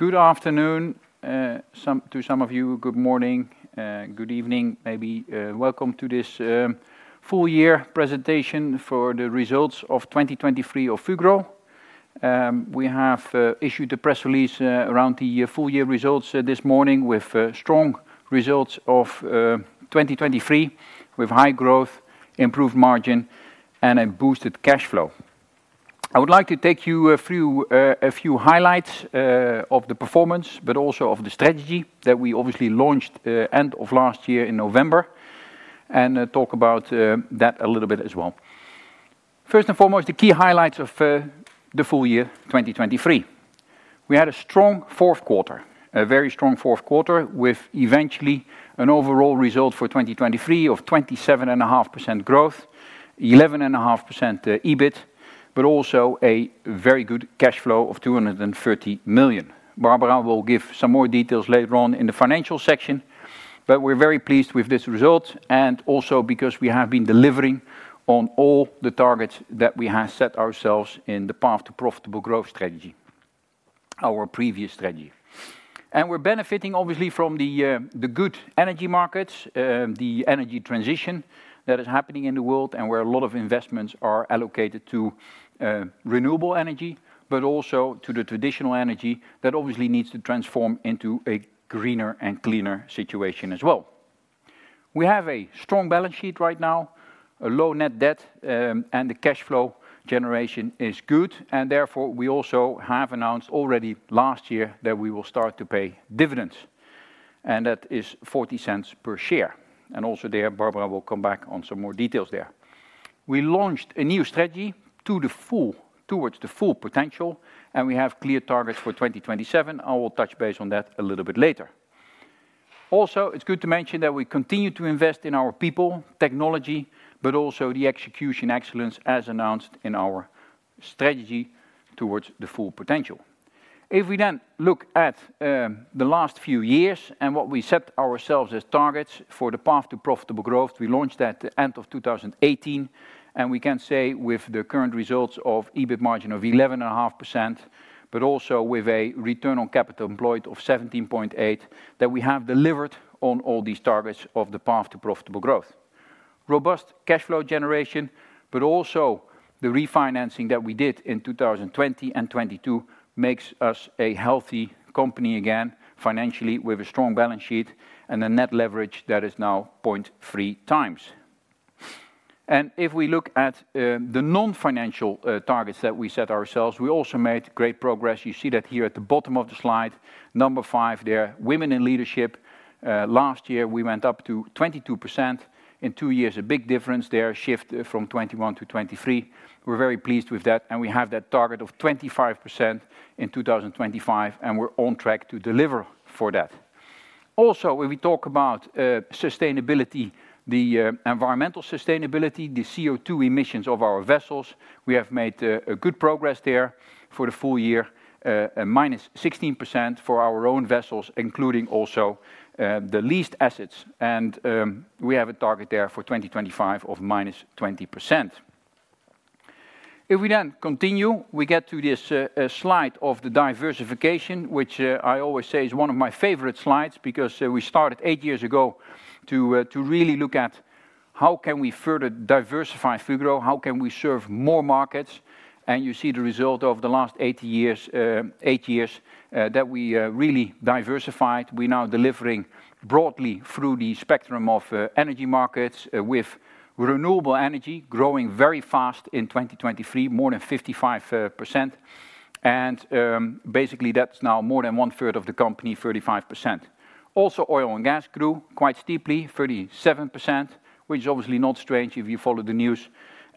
Good afternoon, to some of you, good morning, good evening, maybe. Welcome to this full year presentation for the results of 2023 of Fugro. We have issued a press release around the full year results this morning, with strong results of 2023, with high growth, improved margin, and a boosted cash flow. I would like to take you a few, a few highlights of the performance, but also of the strategy that we obviously launched end of last year in November, and talk about that a little bit as well. First and foremost, the key highlights of the full year 2023. We had a strong fourth quarter, a very strong fourth quarter, with eventually an overall result for 2023 of 27.5% growth, 11.5% EBIT, but also a very good cash flow of 230 million. Barbara will give some more details later on in the financial section, but we're very pleased with this result, and also because we have been delivering on all the targets that we have set ourselves in the Path to Profitable Growth strategy, our previous strategy. We're benefiting obviously from the, the good energy markets, the energy transition that is happening in the world, and where a lot of investments are allocated to, renewable energy, but also to the traditional energy that obviously needs to transform into a greener and cleaner situation as well. We have a strong balance sheet right now, a low net debt, and the cash flow generation is good, and therefore, we also have announced already last year that we will start to pay dividends, and that is 0.40 per share. And also there, Barbara will come back on some more details there. We launched a new strategy towards the full potential, and we have clear targets for 2027. I will touch base on that a little bit later. Also, it's good to mention that we continue to invest in our people, technology, but also the execution excellence, as announced in our strategy towards the full potential. If we then look at the last few years and what we set ourselves as targets for the Path to Profitable Growth, we launched at the end of 2018, and we can say with the current results of EBIT margin of 11.5%, but also with a return on capital employed of 17.8, that we have delivered on all these targets of the Path to Profitable Growth. Robust cash flow generation, but also the refinancing that we did in 2020 and 2022, makes us a healthy company again, financially, with a strong balance sheet and a net leverage that is now 0.3 times. If we look at the non-financial targets that we set ourselves, we also made great progress. You see that here at the bottom of the slide, number five, there, Women in Leadership. Last year, we went up to 22%. In two years, a big difference there, a shift from 21%-23%. We're very pleased with that, and we have that target of 25% in 2025, and we're on track to deliver for that. Also, when we talk about sustainability, the environmental sustainability, the CO2 emissions of our vessels, we have made a good progress there for the full year, a -16% for our own vessels, including also the leased assets, and we have a target there for 2025 of -20%. If we then continue, we get to this slide of the diversification, which I always say is one of my favorite slides, because we started 8 years ago to really look at how can we further diversify Fugro? How can we serve more markets? You see the result of the last eight years that we really diversified. We're now delivering broadly through the spectrum of energy markets, with renewable energy growing very fast in 2023, more than 55%. And basically, that's now more than one third of the company, 35%. Also, oil and gas grew quite steeply, 37%, which is obviously not strange if you follow the news,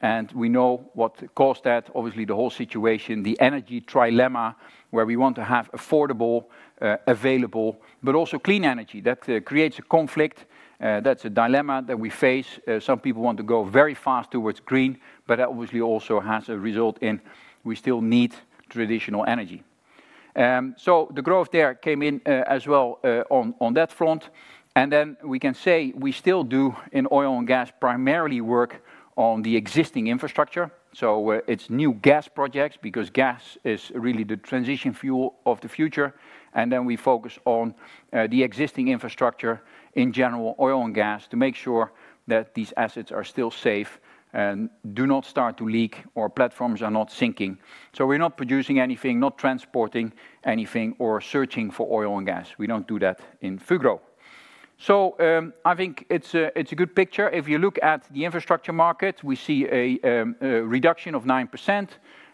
and we know what caused that. Obviously, the whole situation, the energy trilemma, where we want to have affordable, available, but also clean energy. That creates a conflict, that's a dilemma that we face. Some people want to go very fast towards green, but that obviously also has a result, and we still need traditional energy. So the growth there came in as well on that front. And then we can say we still do in oil and gas, primarily work on the existing infrastructure. So it's new gas projects, because gas is really the transition fuel of the future. And then we focus on the existing infrastructure in general, oil and gas, to make sure that these assets are still safe and do not start to leak, or platforms are not sinking. So we're not producing anything, not transporting anything, or searching for oil and gas. We don't do that in Fugro. So I think it's a good picture. If you look at the infrastructure market, we see a reduction of 9%,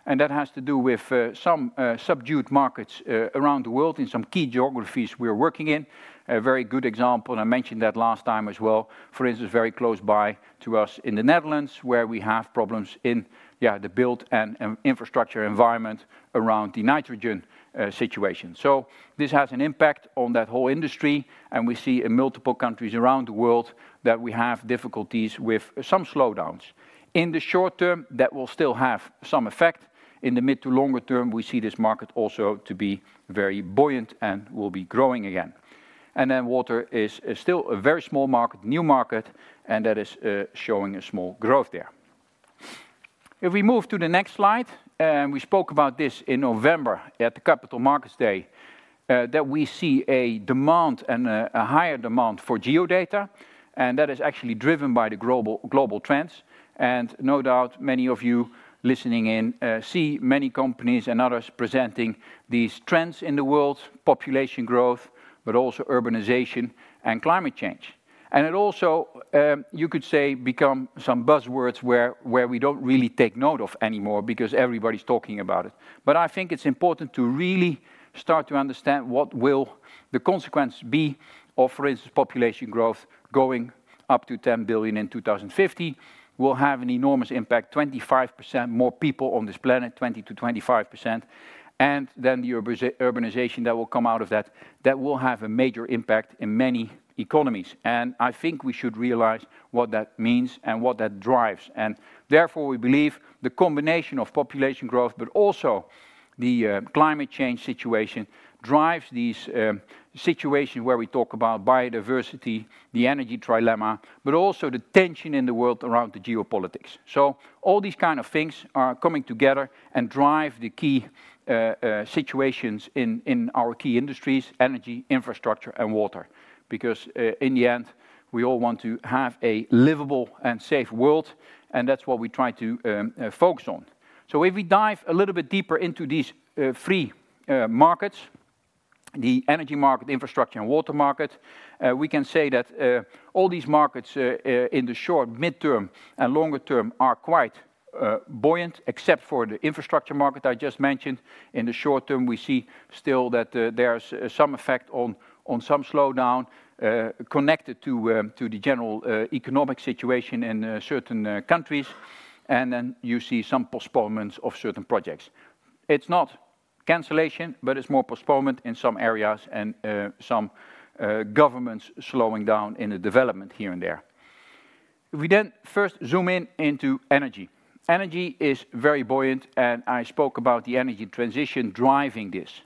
and that has to do with some subdued markets around the world in some key geographies we are working in. A very good example, and I mentioned that last time as well, for instance, very close by to us in the Netherlands, where we have problems in, yeah, the built and infrastructure environment around the nitrogen situation. So this has an impact on that whole industry, and we see in multiple countries around the world that we have difficulties with some slowdowns. In the short term, that will still have some effect. In the mid to longer term, we see this market also to be very buoyant and will be growing again. Then water is still a very small market, new market, and that is showing a small growth there. If we move to the next slide, we spoke about this in November at the Capital Markets Day, that we see a demand and a higher demand for geo-data, and that is actually driven by the global trends. No doubt, many of you listening in see many companies and others presenting these trends in the world: population growth, but also urbanization and climate change. It also, you could say, become some buzzwords where we don't really take note of anymore because everybody's talking about it. But I think it's important to really start to understand what the consequence will be of, for instance, population growth going up to 10 billion in 2050. That will have an enormous impact, 25% more people on this planet, 20%-25%. Then the urbanization that will come out of that will have a major impact in many economies. I think we should realize what that means and what that drives. Therefore, we believe the combination of population growth, but also the climate change situation, drives these situations where we talk about biodiversity, the energy trilemma, but also the tension in the world around the geopolitics. So all these kind of things are coming together and drive the key situations in our key industries: energy, infrastructure, and water. Because in the end, we all want to have a livable and safe world, and that's what we try to focus on. So if we dive a little bit deeper into these three markets, the energy market, infrastructure, and water market, we can say that all these markets in the short, mid-term, and longer term are quite buoyant, except for the infrastructure market I just mentioned. In the short term, we see still that there's some effect on some slowdown connected to the general economic situation in certain countries. Then you see some postponements of certain projects. It's not cancellation, but it's more postponement in some areas and some governments slowing down in the development here and there. We then first zoom in into energy. Energy is very buoyant, and I spoke about the energy transition driving this.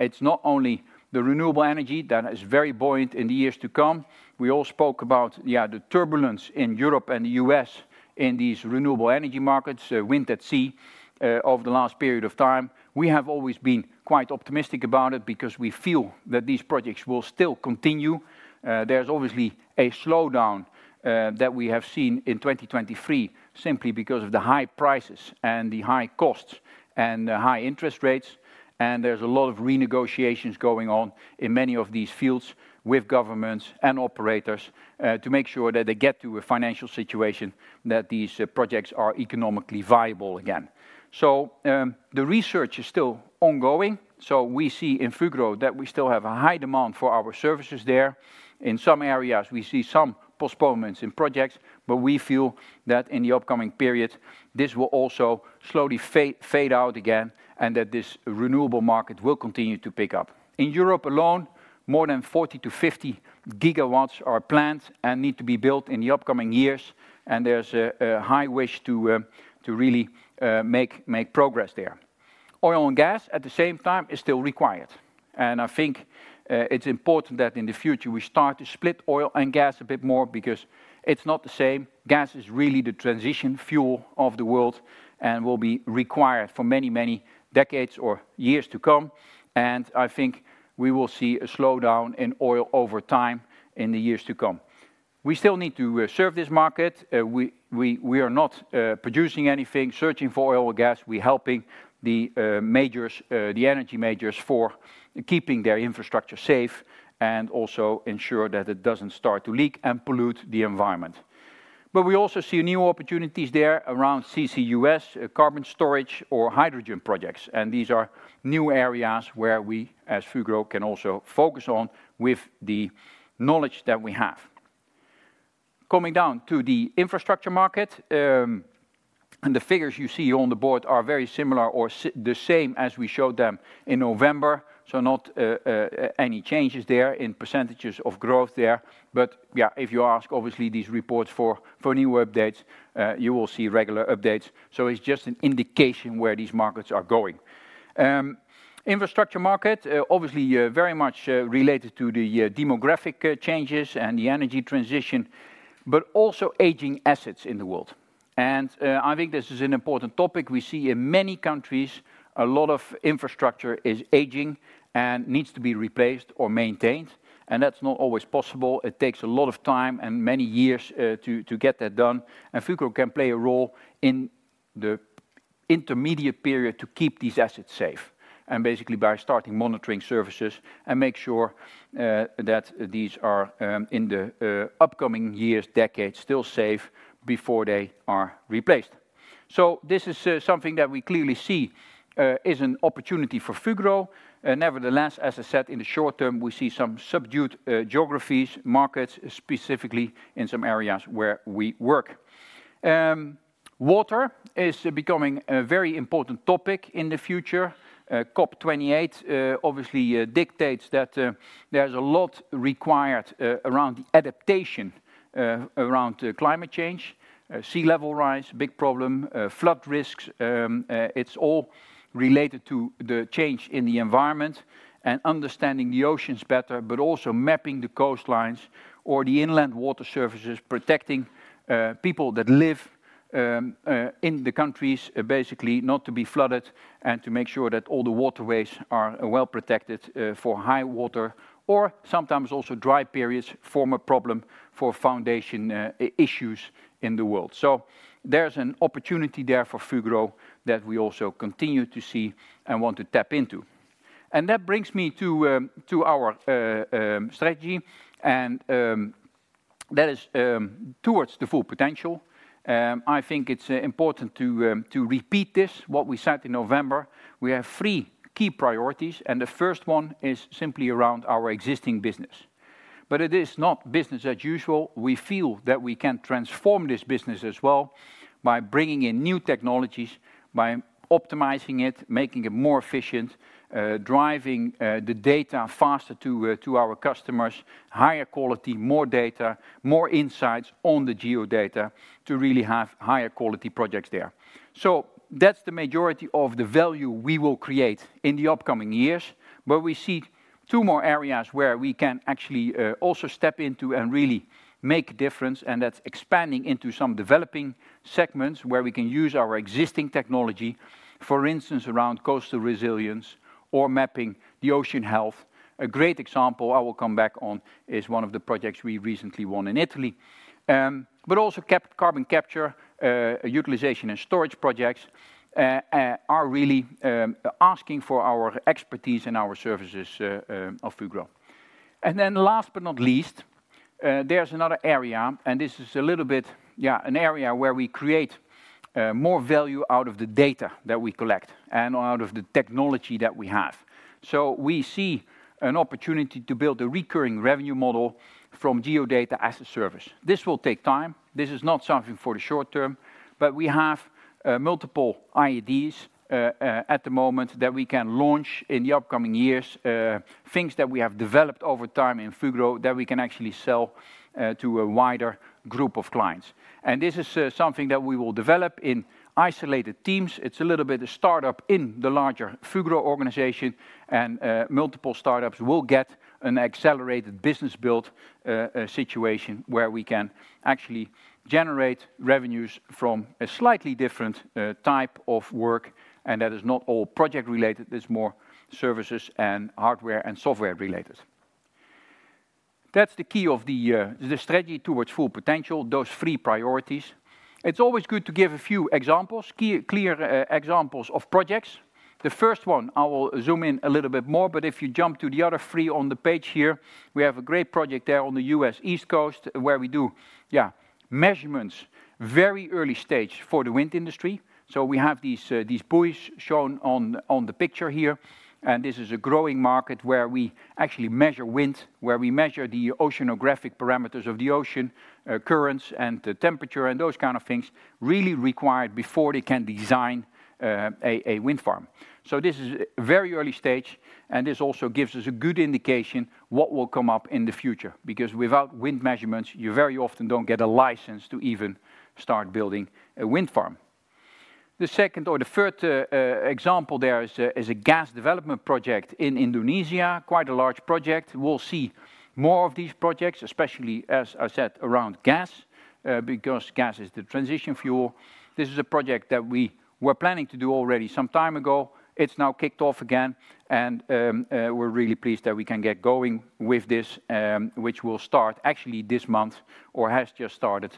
It's not only the renewable energy that is very buoyant in the years to come. We all spoke about, yeah, the turbulence in Europe and the U.S. in these renewable energy markets, wind at sea, over the last period of time. We have always been quite optimistic about it because we feel that these projects will still continue. There's obviously a slowdown that we have seen in 2023, simply because of the high prices and the high costs and the high interest rates, and there's a lot of renegotiations going on in many of these fields with governments and operators, to make sure that they get to a financial situation that these projects are economically viable again. So, the research is still ongoing, so we see in Fugro that we still have a high demand for our services there. In some areas, we see some postponements in projects, but we feel that in the upcoming period, this will also slowly fade out again, and that this renewable market will continue to pick up. In Europe alone, more than 40-50 GW are planned and need to be built in the upcoming years, and there's a high wish to really make progress there. Oil and gas, at the same time, is still required, and I think it's important that in the future, we start to split oil and gas a bit more because it's not the same. Gas is really the transition fuel of the world and will be required for many, many decades or years to come, and I think we will see a slowdown in oil over time in the years to come. We still need to serve this market. We are not producing anything, searching for oil or gas. We're helping the majors, the energy majors for keeping their infrastructure safe and also ensure that it doesn't start to leak and pollute the environment. But we also see new opportunities there around CCUS, carbon storage or hydrogen projects, and these are new areas where we, as Fugro, can also focus on with the knowledge that we have. Coming down to the infrastructure market, and the figures you see on the board are very similar or the same as we showed them in November, so not any changes there in percentages of growth there. But yeah, if you ask, obviously, these reports for new updates, you will see regular updates. So it's just an indication where these markets are going. Infrastructure market, obviously, very much related to the demographic changes and the energy transition, but also aging assets in the world. And I think this is an important topic. We see in many countries, a lot of infrastructure is aging and needs to be replaced or maintained, and that's not always possible. It takes a lot of time and many years to get that done, and Fugro can play a role in the intermediate period to keep these assets safe, and basically by starting monitoring services and make sure that these are in the upcoming years, decades, still safe before they are replaced. So this is something that we clearly see is an opportunity for Fugro. Nevertheless, as I said, in the short term, we see some subdued geographies, markets, specifically in some areas where we work. Water is becoming a very important topic in the future. COP28 obviously dictates that there's a lot required around adaptation around climate change. Sea level rise, big problem, flood risks. It's all related to the change in the environment and understanding the oceans better, but also mapping the coastlines or the inland water surfaces, protecting people that live in the countries, basically, not to be flooded and to make sure that all the waterways are well-protected for high water, or sometimes also dry periods form a problem for foundation issues in the world. So there's an opportunity there for Fugro that we also continue to see and want to tap into. And that brings me to our strategy, and that is towards the full potential. I think it's important to repeat this, what we said in November. We have three key priorities, and the first one is simply around our existing business. It is not business as usual. We feel that we can transform this business as well by bringing in new technologies, by optimizing it, making it more efficient, driving the data faster to to our customers, higher quality, more data, more insights on the Geo-data to really have higher quality projects there. So that's the majority of the value we will create in the upcoming years. But we see two more areas where we can actually also step into and really make a difference, and that's expanding into some developing segments where we can use our existing technology. For instance, around coastal resilience or mapping the ocean health. A great example I will come back on is one of the projects we recently won in Italy. But also carbon capture, utilization, and storage projects are really asking for our expertise and our services of Fugro. And then last but not least, there's another area, and this is a little bit, yeah, an area where we create more value out of the data that we collect and out of the technology that we have. So we see an opportunity to build a recurring revenue model from Geo-data as a service. This will take time. This is not something for the short term, but we have multiple ideas at the moment that we can launch in the upcoming years. Things that we have developed over time in Fugro that we can actually sell to a wider group of clients. And this is something that we will develop in isolated teams. It's a little bit a startup in the larger Fugro organization, and multiple startups will get an accelerated business build situation, where we can actually generate revenues from a slightly different type of work, and that is not all project-related. It's more services and hardware and software-related. That's the key of the strategy towards full potential, those three priorities. It's always good to give a few examples, clear examples of projects. The first one, I will zoom in a little bit more, but if you jump to the other three on the page here, we have a great project there on the U.S. East Coast, where we do, yeah, measurements, very early stage for the wind industry. So we have these, these buoys shown on, on the picture here, and this is a growing market where we actually measure wind, where we measure the oceanographic parameters of the ocean, currents, and the temperature, and those kind of things, really required before they can design, a, a wind farm. So this is very early stage, and this also gives us a good indication what will come up in the future, because without wind measurements, you very often don't get a license to even start building a wind farm. The second or the third, example there is a, is a gas development project in Indonesia, quite a large project. We'll see more of these projects, especially, as I said, around gas, because gas is the transition fuel. This is a project that we were planning to do already some time ago. It's now kicked off again, and we're really pleased that we can get going with this, which will start actually this month, or has just started,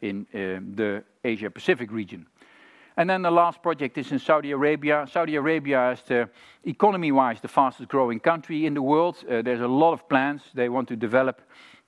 in the Asia Pacific region. And then the last project is in Saudi Arabia. Saudi Arabia is the, economy-wise, the fastest growing country in the world. There's a lot of plans. They want to develop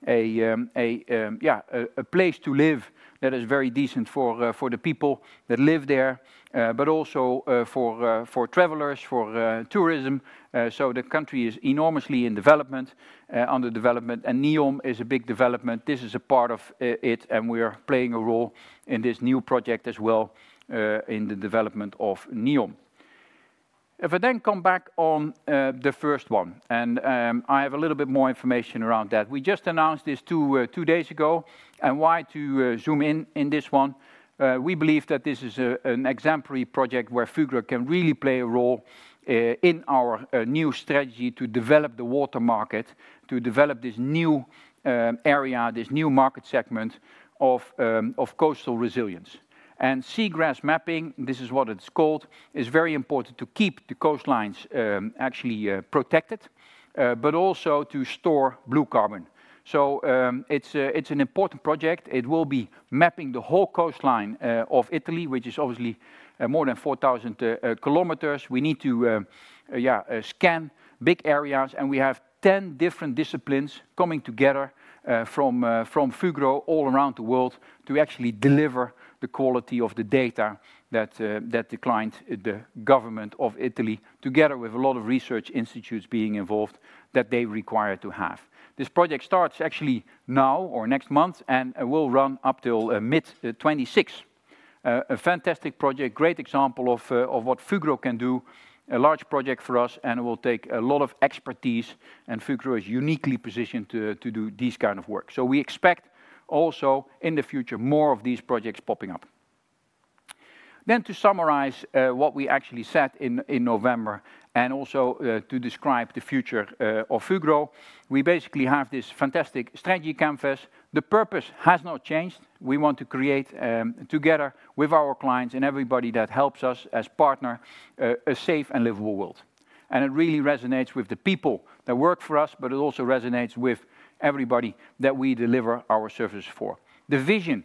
a, yeah, a place to live that is very decent for the people that live there, but also, for travelers, for tourism. So the country is enormously in development, under development, and NEOM is a big development. This is a part of it, and we are playing a role in this new project as well, in the development of NEOM. If I then come back on the first one, and I have a little bit more information around that. We just announced this two days ago, and why to zoom in in this one? We believe that this is an exemplary project where Fugro can really play a role in our new strategy to develop the water market, to develop this new area, this new market segment of coastal resilience. And seagrass mapping, this is what it's called, is very important to keep the coastlines actually protected, but also to store blue carbon. So, it's an important project. It will be mapping the whole coastline of Italy, which is obviously more than 4,000 km. We need to scan big areas, and we have 10 different disciplines coming together from Fugro all around the world to actually deliver the quality of the data that the client, the government of Italy, together with a lot of research institutes being involved, that they require to have. This project starts actually now or next month, and it will run up till mid-2026. A fantastic project, great example of what Fugro can do, a large project for us, and it will take a lot of expertise, and Fugro is uniquely positioned to do this kind of work. So we expect also in the future, more of these projects popping up. Then to summarize what we actually said in November, and also to describe the future of Fugro, we basically have this fantastic strategy canvas. The purpose has not changed. We want to create together with our clients and everybody that helps us as partner, a safe and livable world. And it really resonates with the people that work for us, but it also resonates with everybody that we deliver our service for. The vision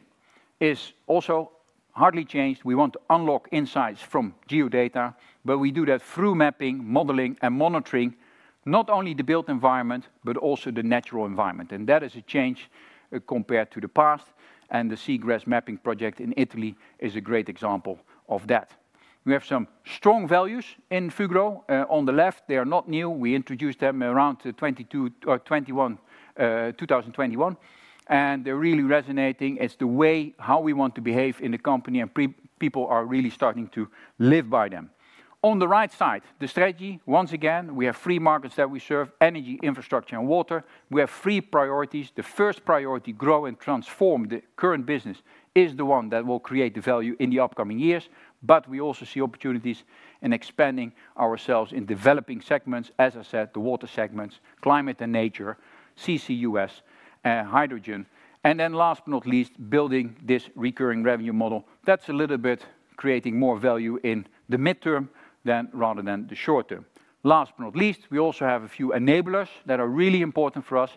is also hardly changed. We want to unlock insights from Geo-data, but we do that through mapping, modeling, and monitoring, not only the built environment, but also the natural environment. And that is a change compared to the past, and the seagrass mapping project in Italy is a great example of that. We have some strong values in Fugro. On the left, they are not new. We introduced them around 2022 or 2021, 2021, and they're really resonating. It's the way how we want to behave in the company, and people are really starting to live by them. On the right side, the strategy. Once again, we have three markets that we serve: energy, infrastructure, and water. We have three priorities. The first priority, grow and transform the current business, is the one that will create the value in the upcoming years. But we also see opportunities in expanding ourselves in developing segments, as I said, the water segments, climate and nature, CCUS, hydrogen, and then last but not least, building this recurring revenue model. That's a little bit creating more value in the midterm than rather than the short term. Last but not least, we also have a few enablers that are really important for us.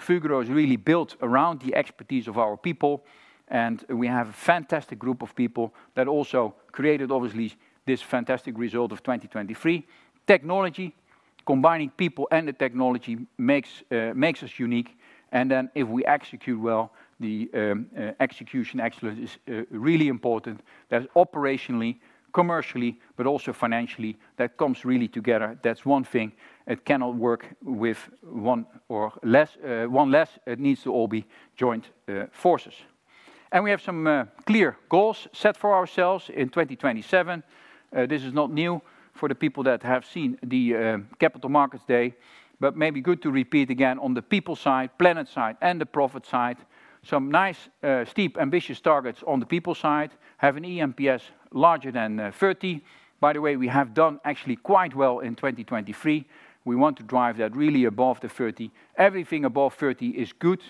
Fugro is really built around the expertise of our people, and we have a fantastic group of people that also created, obviously, this fantastic result of 2023. Technology, combining people and the technology makes us unique, and then if we execute well, the execution excellence is really important. That operationally, commercially, but also financially, that comes really together. That's one thing. It cannot work with one or less, one less. It needs to all be joint forces. And we have some clear goals set for ourselves in 2027. This is not new for the people that have seen the Capital Markets Day, but maybe good to repeat again on the people side, planet side, and the profit side. Some nice steep ambitious targets on the people side. Have an eNPS larger than 30. By the way, we have done actually quite well in 2023. We want to drive that really above the 30. Everything above 30 is good,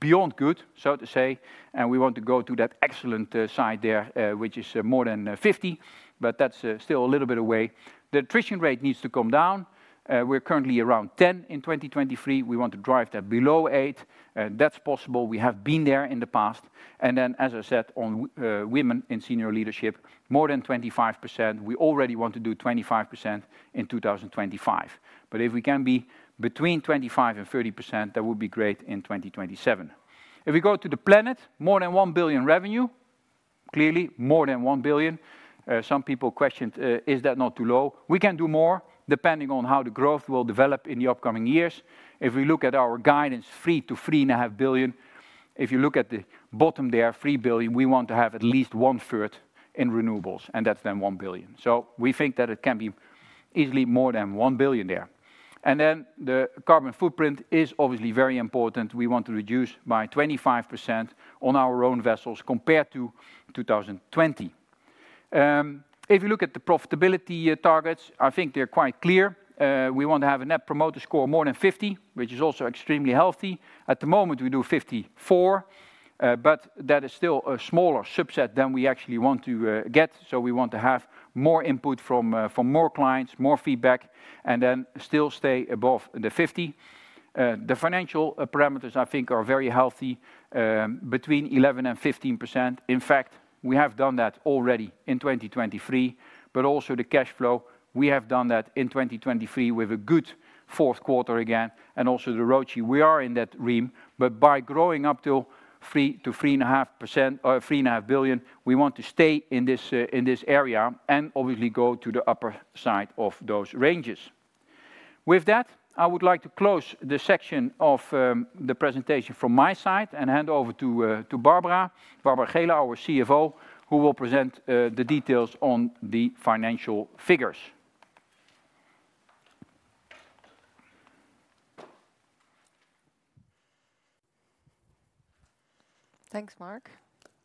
beyond good, so to say, and we want to go to that excellent side there, which is more than 50, but that's still a little bit away. The attrition rate needs to come down. We're currently around 10 in 2023. We want to drive that below eight. That's possible. We have been there in the past. And then, as I said, on women in senior leadership, more than 25%. We already want to do 25% in 2025, but if we can be between 25% and 30%, that would be great in 2027. If we go to the plan, more than 1 billion revenue, clearly more than 1 billion. Some people questioned, "Is that not too low?" We can do more depending on how the growth will develop in the upcoming years. If we look at our guidance, 3 billion-3.5 billion, if you look at the bottom there, 3 billion, we want to have at least one third in renewables, and that's then 1 billion. So we think that it can be easily more than 1 billion there. And then the carbon footprint is obviously very important. We want to reduce by 25% on our own vessels compared to 2020. If you look at the profitability targets, I think they're quite clear. We want to have a Net Promoter Score more than 50, which is also extremely healthy. At the moment, we do 54, but that is still a smaller subset than we actually want to get. So we want to have more input from more clients, more feedback, and then still stay above the 50. The financial parameters, I think, are very healthy, between 11%-15%. In fact, we have done that already in 2023, but also the cash flow, we have done that in 2023 with a good fourth quarter again, and also the ROCE, we are in that range. But by growing up to 3%-3.5%, or 3.5 billion, we want to stay in this area, and obviously go to the upper side of those ranges. With that, I would like to close the section of the presentation from my side and hand over to Barbara Geelen, our CFO, who will present the details on the financial figures. Thanks, Mark.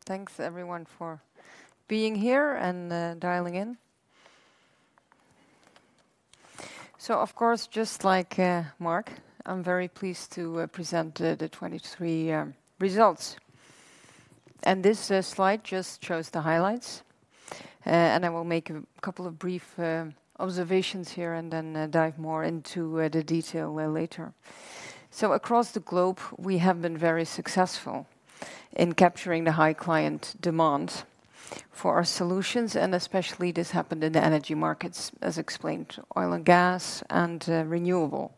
Thanks, everyone, for being here and dialing in. So of course, just like Mark, I'm very pleased to present the 2023 results. And this slide just shows the highlights, and I will make a couple of brief observations here and then dive more into the details, well, later. So across the globe, we have been very successful in capturing the high client demand for our solutions, and especially this happened in the energy markets, as explained, oil and gas, and renewable,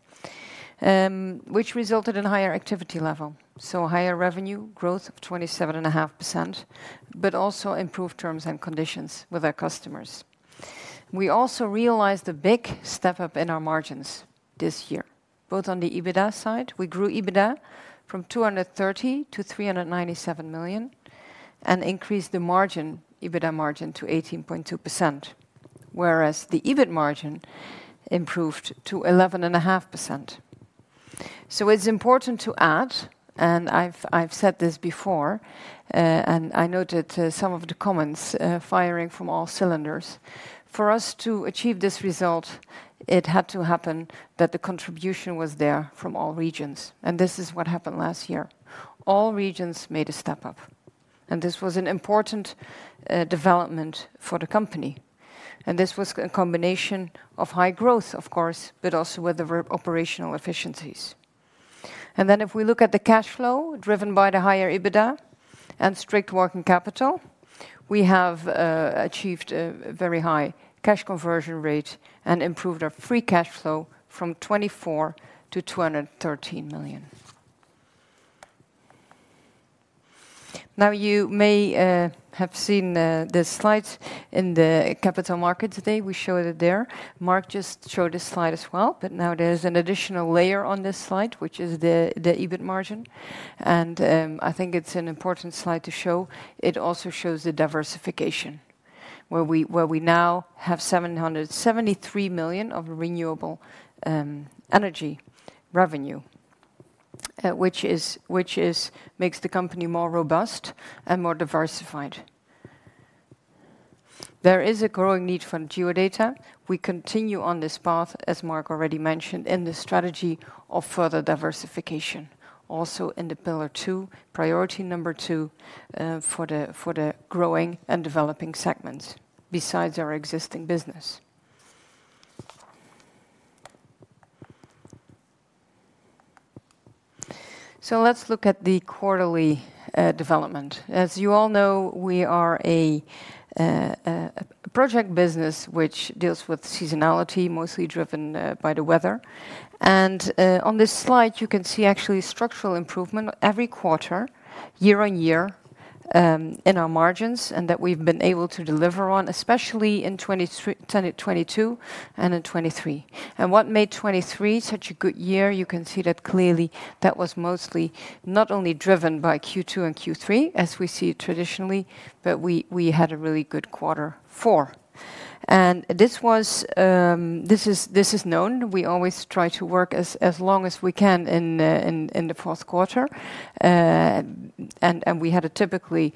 which resulted in higher activity level, so higher revenue growth of 27.5%, but also improved terms and conditions with our customers. We also realized a big step up in our margins this year, both on the EBITDA side, we grew EBITDA from 230 million to 397 million, and increased the margin, EBITDA margin, to 18.2%, whereas the EBIT margin improved to 11.5%. So it's important to add, and I've said this before, and I noted some of the comments, firing on all cylinders. For us to achieve this result, it had to happen that the contribution was there from all regions, and this is what happened last year. All regions made a step up, and this was an important development for the company. And this was a combination of high growth, of course, but also with the operational efficiencies. If we look at the cash flow driven by the higher EBITDA and strict working capital, we have achieved a very high cash conversion rate and improved our free cash flow from 24 million-213 million. Now, you may have seen the slides in the capital market today. We showed it there. Mark just showed this slide as well, but now there's an additional layer on this slide, which is the EBIT margin, and I think it's an important slide to show. It also shows the diversification, where we now have 773 million of renewable energy revenue, which is makes the company more robust and more diversified. There is a growing need for geodata. We continue on this path, as Mark already mentioned, in the strategy of further diversification. Also in pillar two, priority number two, for the growing and developing segments besides our existing business. So let's look at the quarterly development. As you all know, we are a project business which deals with seasonality, mostly driven by the weather. And on this slide, you can see actually structural improvement every quarter, year-on-year, in our margins, and that we've been able to deliver on, especially in 2023... 10 to 2022 and in 2023. And what made 2023 such a good year? You can see that clearly that was mostly not only driven by Q2 and Q3, as we see traditionally, but we had a really good quarter four. And this was, this is known. We always try to work as long as we can in the fourth quarter. We had a typically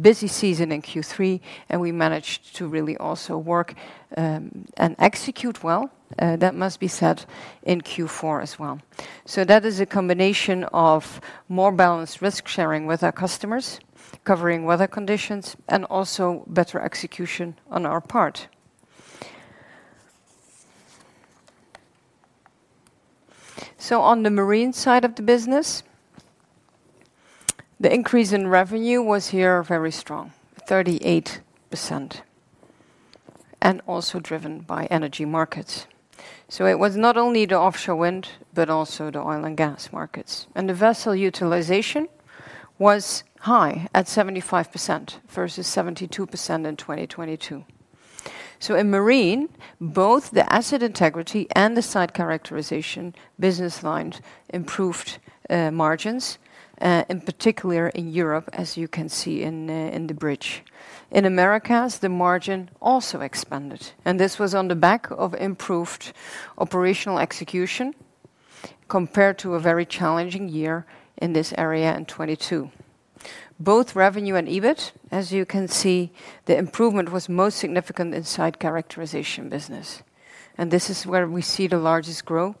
busy season in Q3, and we managed to really also work and execute well, that must be said, in Q4 as well. So that is a combination of more balanced risk sharing with our customers, covering weather conditions, and also better execution on our part. So on the marine side of the business, the increase in revenue was here very strong, 38%, and also driven by energy markets. So it was not only the offshore wind, but also the oil and gas markets. And the vessel utilization was high at 75% versus 72% in 2022. So in marine, both the asset integrity and the site characterization business lines improved margins, in particular in Europe, as you can see in the bridge. In Americas, the margin also expanded, and this was on the back of improved operational execution compared to a very challenging year in this area in 2022. Both revenue and EBIT, as you can see, the improvement was most significant in site characterization business, and this is where we see the largest growth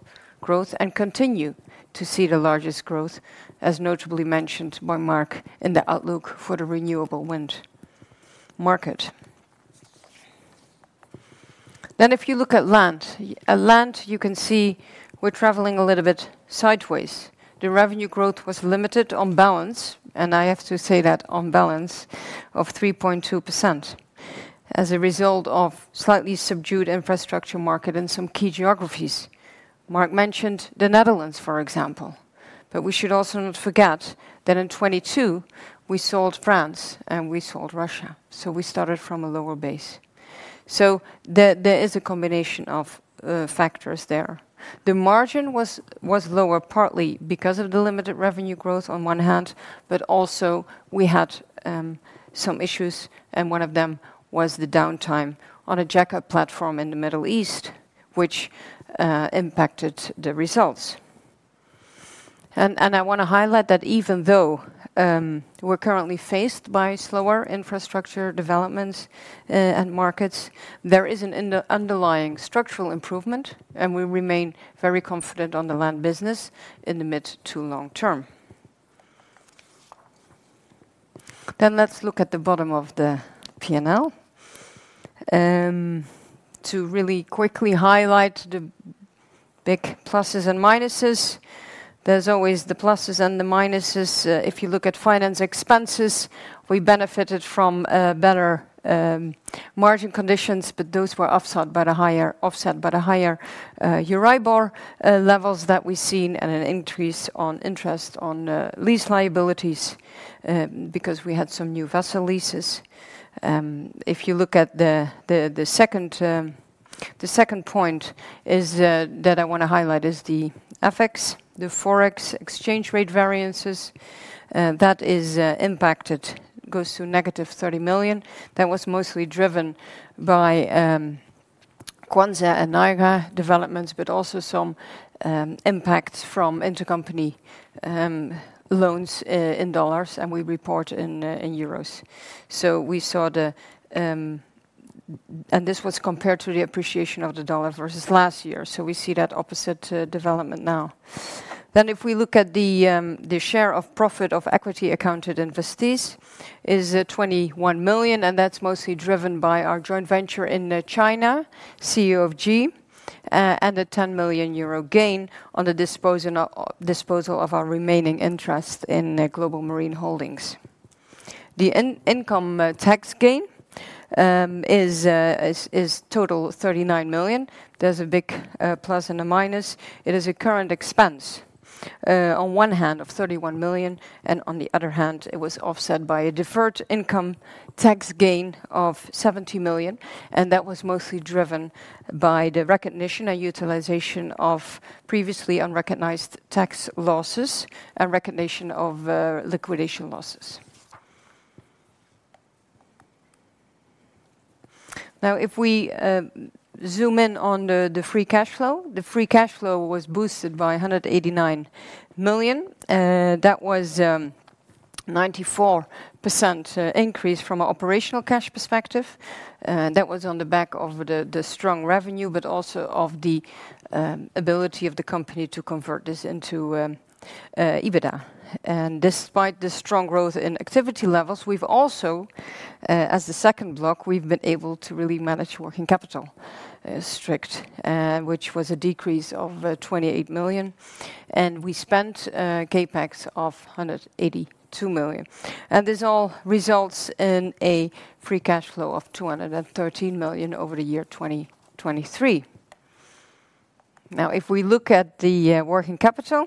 and continue to see the largest growth, as notably mentioned by Mark in the outlook for the renewable wind market. Then, if you look at land, at land, you can see we're traveling a little bit sideways. The revenue growth was limited on balance, and I have to say that on balance of 3.2%, as a result of slightly subdued infrastructure market in some key geographies. Mark mentioned the Netherlands, for example, but we should also not forget that in 2022 we sold France and we sold Russia, so we started from a lower base. So there is a combination of factors there. The margin was lower, partly because of the limited revenue growth on one hand, but also we had some issues, and one of them was the downtime on a jack-up platform in the Middle East, which impacted the results. I want to highlight that even though we're currently faced by slower infrastructure developments and markets, there is an underlying structural improvement, and we remain very confident on the land business in the mid to long term. Then let's look at the bottom of the P&L. To really quickly highlight the big pluses and minuses. There's always the pluses and the minuses. If you look at finance expenses, we benefited from better margin conditions, but those were offset by the higher EURIBOR levels that we've seen and an increase on interest on lease liabilities because we had some new vessel leases. If you look at the second point that I want to highlight is the FX, the Forex exchange rate variances that is impacted, goes to negative 30 million. That was mostly driven by kwanza and naira developments, but also some impact from intercompany loans in dollars, and we report in euros. So we saw the, and this was compared to the appreciation of the dollar versus last year. So we see that opposite development now. Then if we look at the share of profit of equity accounted investees is 21 million, and that's mostly driven by our joint venture in China, CNOOC, and a 10 million euro gain on the disposal of our remaining interest in Global Marine Holdings. The income tax gain is total 39 million. There's a big plus and a minus. It is a current expense on one hand of 31 million, and on the other hand, it was offset by a deferred income tax gain of 70 million, and that was mostly driven by the recognition and utilization of previously unrecognized tax losses and recognition of liquidation losses. Now, if we zoom in on the free cash flow, the free cash flow was boosted by 189 million. That was 94% increase from an operational cash perspective. That was on the back of the strong revenue, but also of the ability of the company to convert this into EBITDA. Despite the strong growth in activity levels, we've also, as the second block, we've been able to really manage working capital strict, which was a decrease of 28 million, and we spent CapEx of 182 million. And this all results in a free cash flow of 213 million over the year 2023. Now, if we look at the working capital,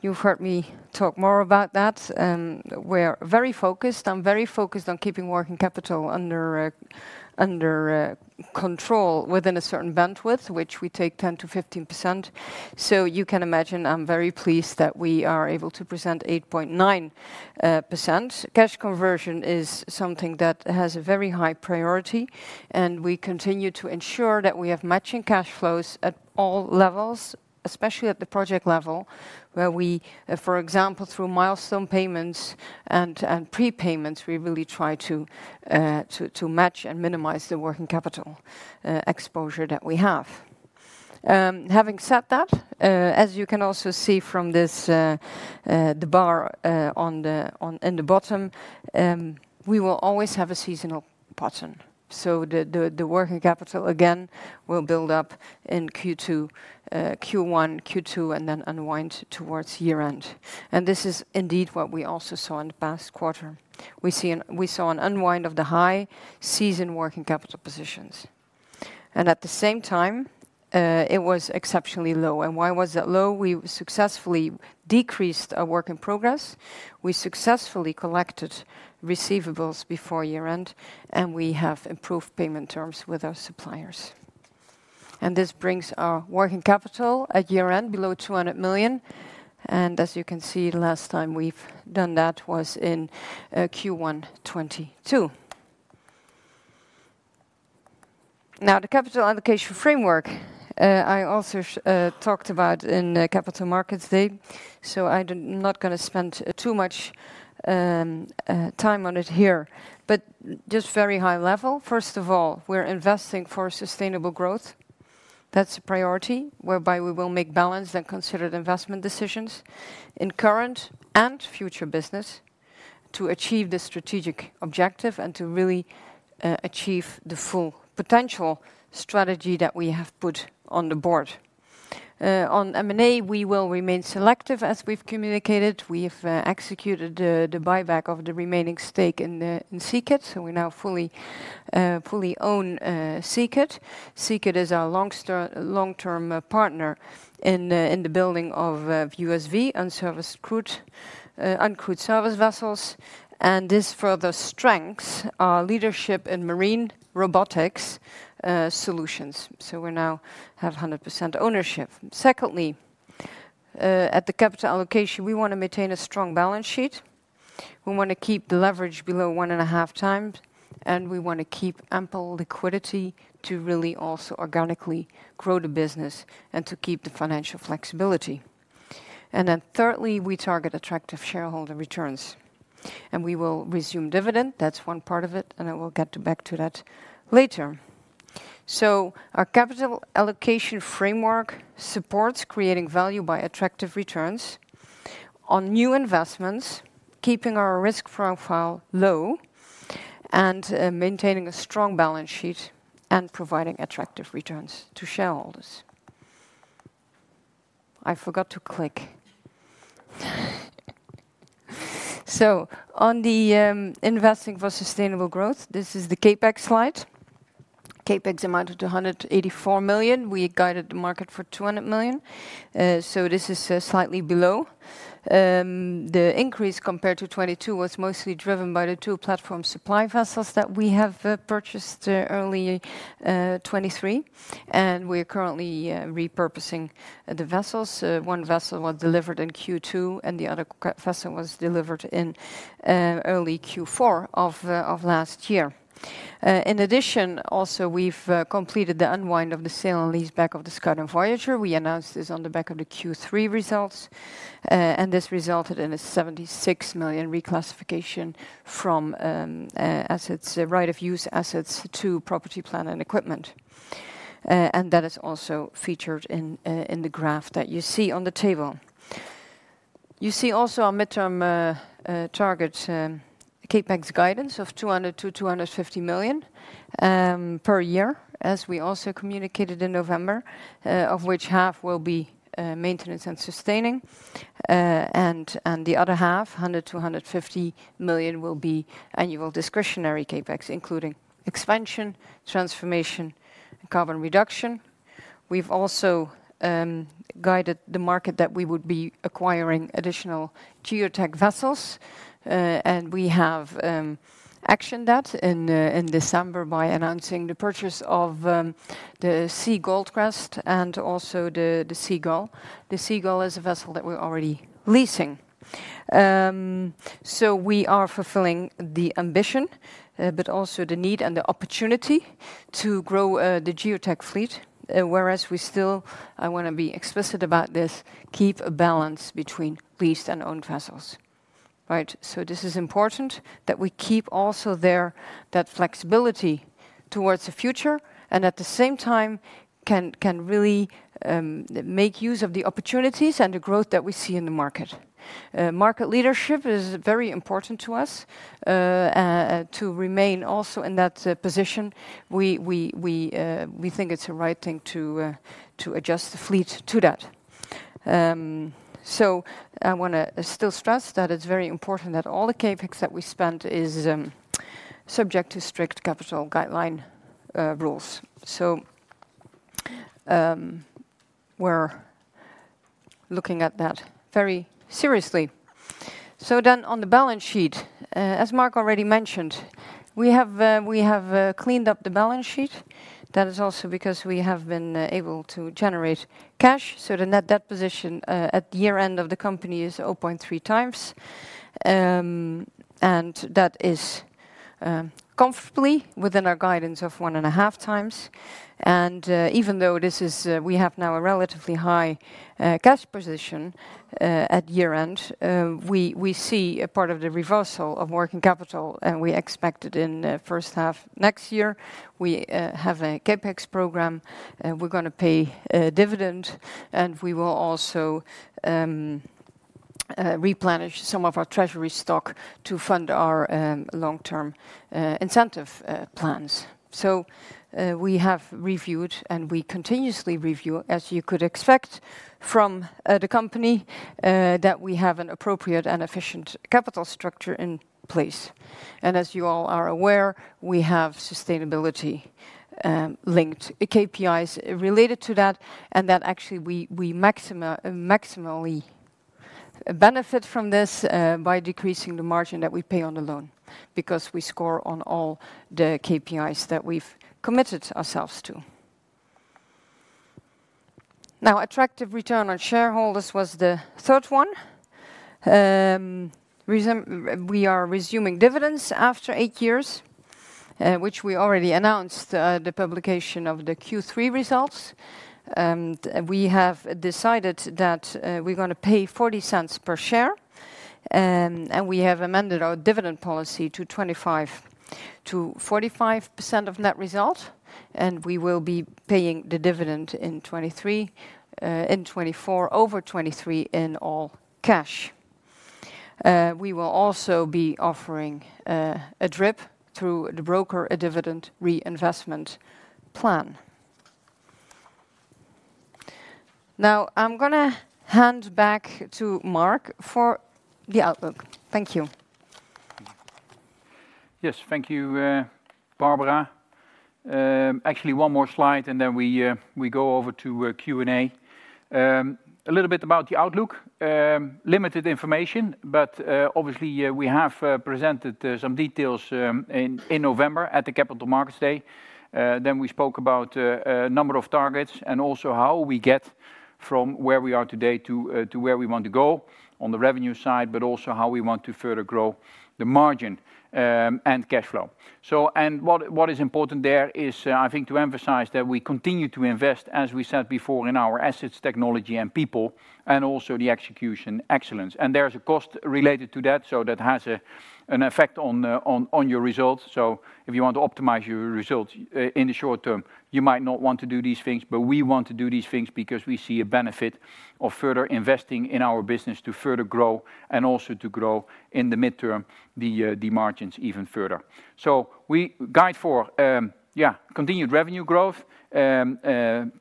you've heard me talk more about that, and we're very focused. I'm very focused on keeping working capital under control within a certain bandwidth, which we take 10%-15%. So you can imagine, I'm very pleased that we are able to present 8.9%. Cash conversion is something that has a very high priority, and we continue to ensure that we have matching cash flows at all levels, especially at the project level, where we, for example, through milestone payments and prepayments, we really try to match and minimize the working capital exposure that we have. Having said that, as you can also see from this, the bar in the bottom, we will always have a seasonal pattern, so the working capital, again, will build up in Q2, Q1, Q2, and then unwind towards year-end. This is indeed what we also saw in the past quarter. We saw an unwind of the high season working capital positions, and at the same time, it was exceptionally low. Why was that low? We successfully decreased our work in progress. We successfully collected receivables before year-end, and we have improved payment terms with our suppliers. This brings our working capital at year-end below 200 million, and as you can see, the last time we've done that was in Q1 2022. Now, the capital allocation framework, I also talked about in the Capital Markets Day, so I do not gonna spend too much time on it here, but just very high level. First of all, we're investing for sustainable growth. That's a priority, whereby we will make balanced and considered investment decisions in current and future business to achieve the strategic objective and to really achieve the full potential strategy that we have put on the board. On M&A, we will remain selective, as we've communicated. We've executed the buyback of the remaining stake in SEA-KIT, so we now fully own SEA-KIT. SEA-KIT is our long-term partner in the building of USVs, uncrewed surface vessels, and this further strengthens our leadership in marine robotics solutions. So we now have 100% ownership. Secondly, at the capital allocation, we want to maintain a strong balance sheet. We want to keep the leverage below one and a half times, and we want to keep ample liquidity to really also organically grow the business and to keep the financial flexibility. Thirdly, we target attractive shareholder returns, and we will resume dividend. That's one part of it, and I will get back to that later. Our capital allocation framework supports creating value by attractive returns on new investments, keeping our risk profile low, and maintaining a strong balance sheet, and providing attractive returns to shareholders. I forgot to click. On the investing for sustainable growth, this is the CapEx slide. CapEx amounted to 184 million. We guided the market for 200 million, so this is slightly below. The increase compared to 2022 was mostly driven by the two platform supply vessels that we have purchased early 2023, and we're currently repurposing the vessels. One vessel was delivered in Q2, and the other vessel was delivered in early Q4 of last year. In addition, also we've completed the unwind of the sale and lease back of the Scout and Voyager. We announced this on the back of the Q3 results, and this resulted in a 76 million reclassification from assets, right of use assets to property, plant, and equipment. That is also featured in the graph that you see on the table. You see also our midterm target CapEx guidance of 200 million-250 million per year, as we also communicated in November, of which half will be maintenance and sustaining. The other half, 100-150 million, will be annual discretionary CapEx, including expansion, transformation, and carbon reduction. We've also guided the market that we would be acquiring additional Geotech vessels. We have actioned that in December by announcing the purchase of the Sea Goldcrest and also the Seagull. The Seagull is a vessel that we're already leasing. So we are fulfilling the ambition, but also the need and the opportunity to grow the Geotech fleet. Whereas we still, I wanna be explicit about this, keep a balance between leased and owned vessels. Right. So this is important that we keep also there that flexibility towards the future, and at the same time can really make use of the opportunities and the growth that we see in the market. Market leadership is very important to us, to remain also in that position. We think it's the right thing to adjust the fleet to that. So I wanna still stress that it's very important that all the CapEx that we spent is subject to strict capital guideline rules. So, we're looking at that very seriously. So then, on the balance sheet, as Mark already mentioned, we have cleaned up the balance sheet. That is also because we have been able to generate cash, so the net debt position at year-end of the company is 0.3x. And that is comfortably within our guidance of 1.5x. And even though this is, we have now a relatively high cash position at year-end, we see a part of the reversal of working capital, and we expect it in the first half next year. We have a CapEx program, and we're gonna pay a dividend, and we will also replenish some of our treasury stock to fund our long-term incentive plans. We have reviewed, and we continuously review, as you could expect from the company, that we have an appropriate and efficient capital structure in place. As you all are aware, we have sustainability linked KPIs related to that, and that actually, we maximally benefit from this by decreasing the margin that we pay on the loan, because we score on all the KPIs that we've committed ourselves to. Now, attractive return on shareholders was the third one. We are resuming dividends after eight years, which we already announced, the publication of the Q3 results. We have decided that, we're gonna pay 0.40 per share, and we have amended our dividend policy to 25%-45% of net result, and we will be paying the dividend in 2024, over 2023 in all cash. We will also be offering, a DRIP through the broker, a dividend reinvestment plan. Now, I'm gonna hand back to Mark for the outlook. Thank you. Yes, thank you, Barbara. Actually, one more slide, and then we go over to Q&A. A little bit about the outlook. Limited information, but obviously, we have presented some details in November at the Capital Markets Day. Then we spoke about a number of targets and also how we get from where we are today to where we want to go on the revenue side, but also how we want to further grow the margin and cash flow. So, and what is important there is, I think to emphasize that we continue to invest, as we said before, in our assets, technology and people, and also the execution excellence. And there's a cost related to that, so that has an effect on your results. So if you want to optimize your results in the short term, you might not want to do these things. But we want to do these things because we see a benefit of further investing in our business to further grow and also to grow in the midterm, the margins even further. So we guide for continued revenue growth,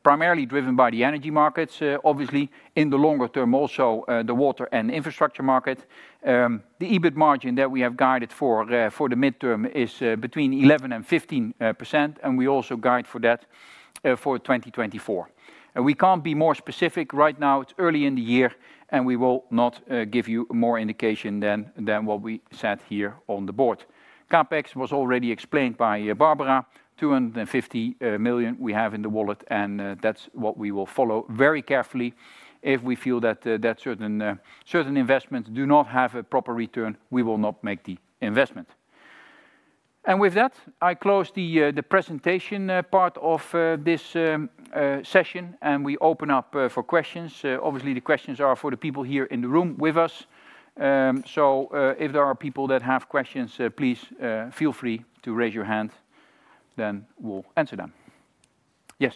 primarily driven by the energy markets, obviously, in the longer term, also, the water and infrastructure market. The EBIT margin that we have guided for, for the midterm is between 11% and 15%, and we also guide for that, for 2024. We can't be more specific right now. It's early in the year, and we will not give you more indication than what we said here on the board. CapEx was already explained by Barbara. 250 million we have in the wallet, and that's what we will follow very carefully. If we feel that certain investments do not have a proper return, we will not make the investment. And with that, I close the presentation part of this session, and we open up for questions. Obviously, the questions are for the people here in the room with us. So, if there are people that have questions, please feel free to raise your hand, then we'll answer them. Yes,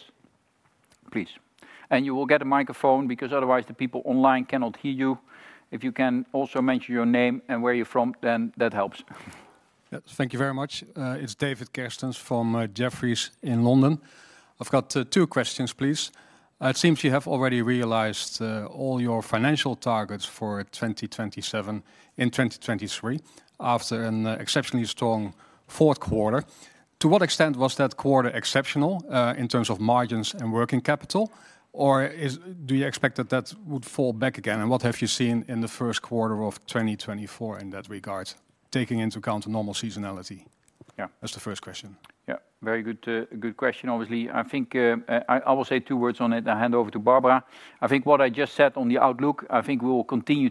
please. And you will get a microphone, because otherwise the people online cannot hear you. If you can also mention your name and where you're from, then that helps. Yeah. Thank you very much. It's David Kerstens from Jefferies in London. I've got two questions, please. It seems you have already realized all your financial targets for 2027 and 2023, after an exceptionally strong fourth quarter. To what extent was that quarter exceptional in terms of margins and working capital, or is... Do you expect that that would fall back again? And what have you seen in the first quarter of 2024 in that regard, taking into account the normal seasonality? Yeah. That's the first question. Yeah, very good, good question. Obviously, I think, I will say two words on it, and hand over to Barbara. I think what I just said on the outlook, I think we will continue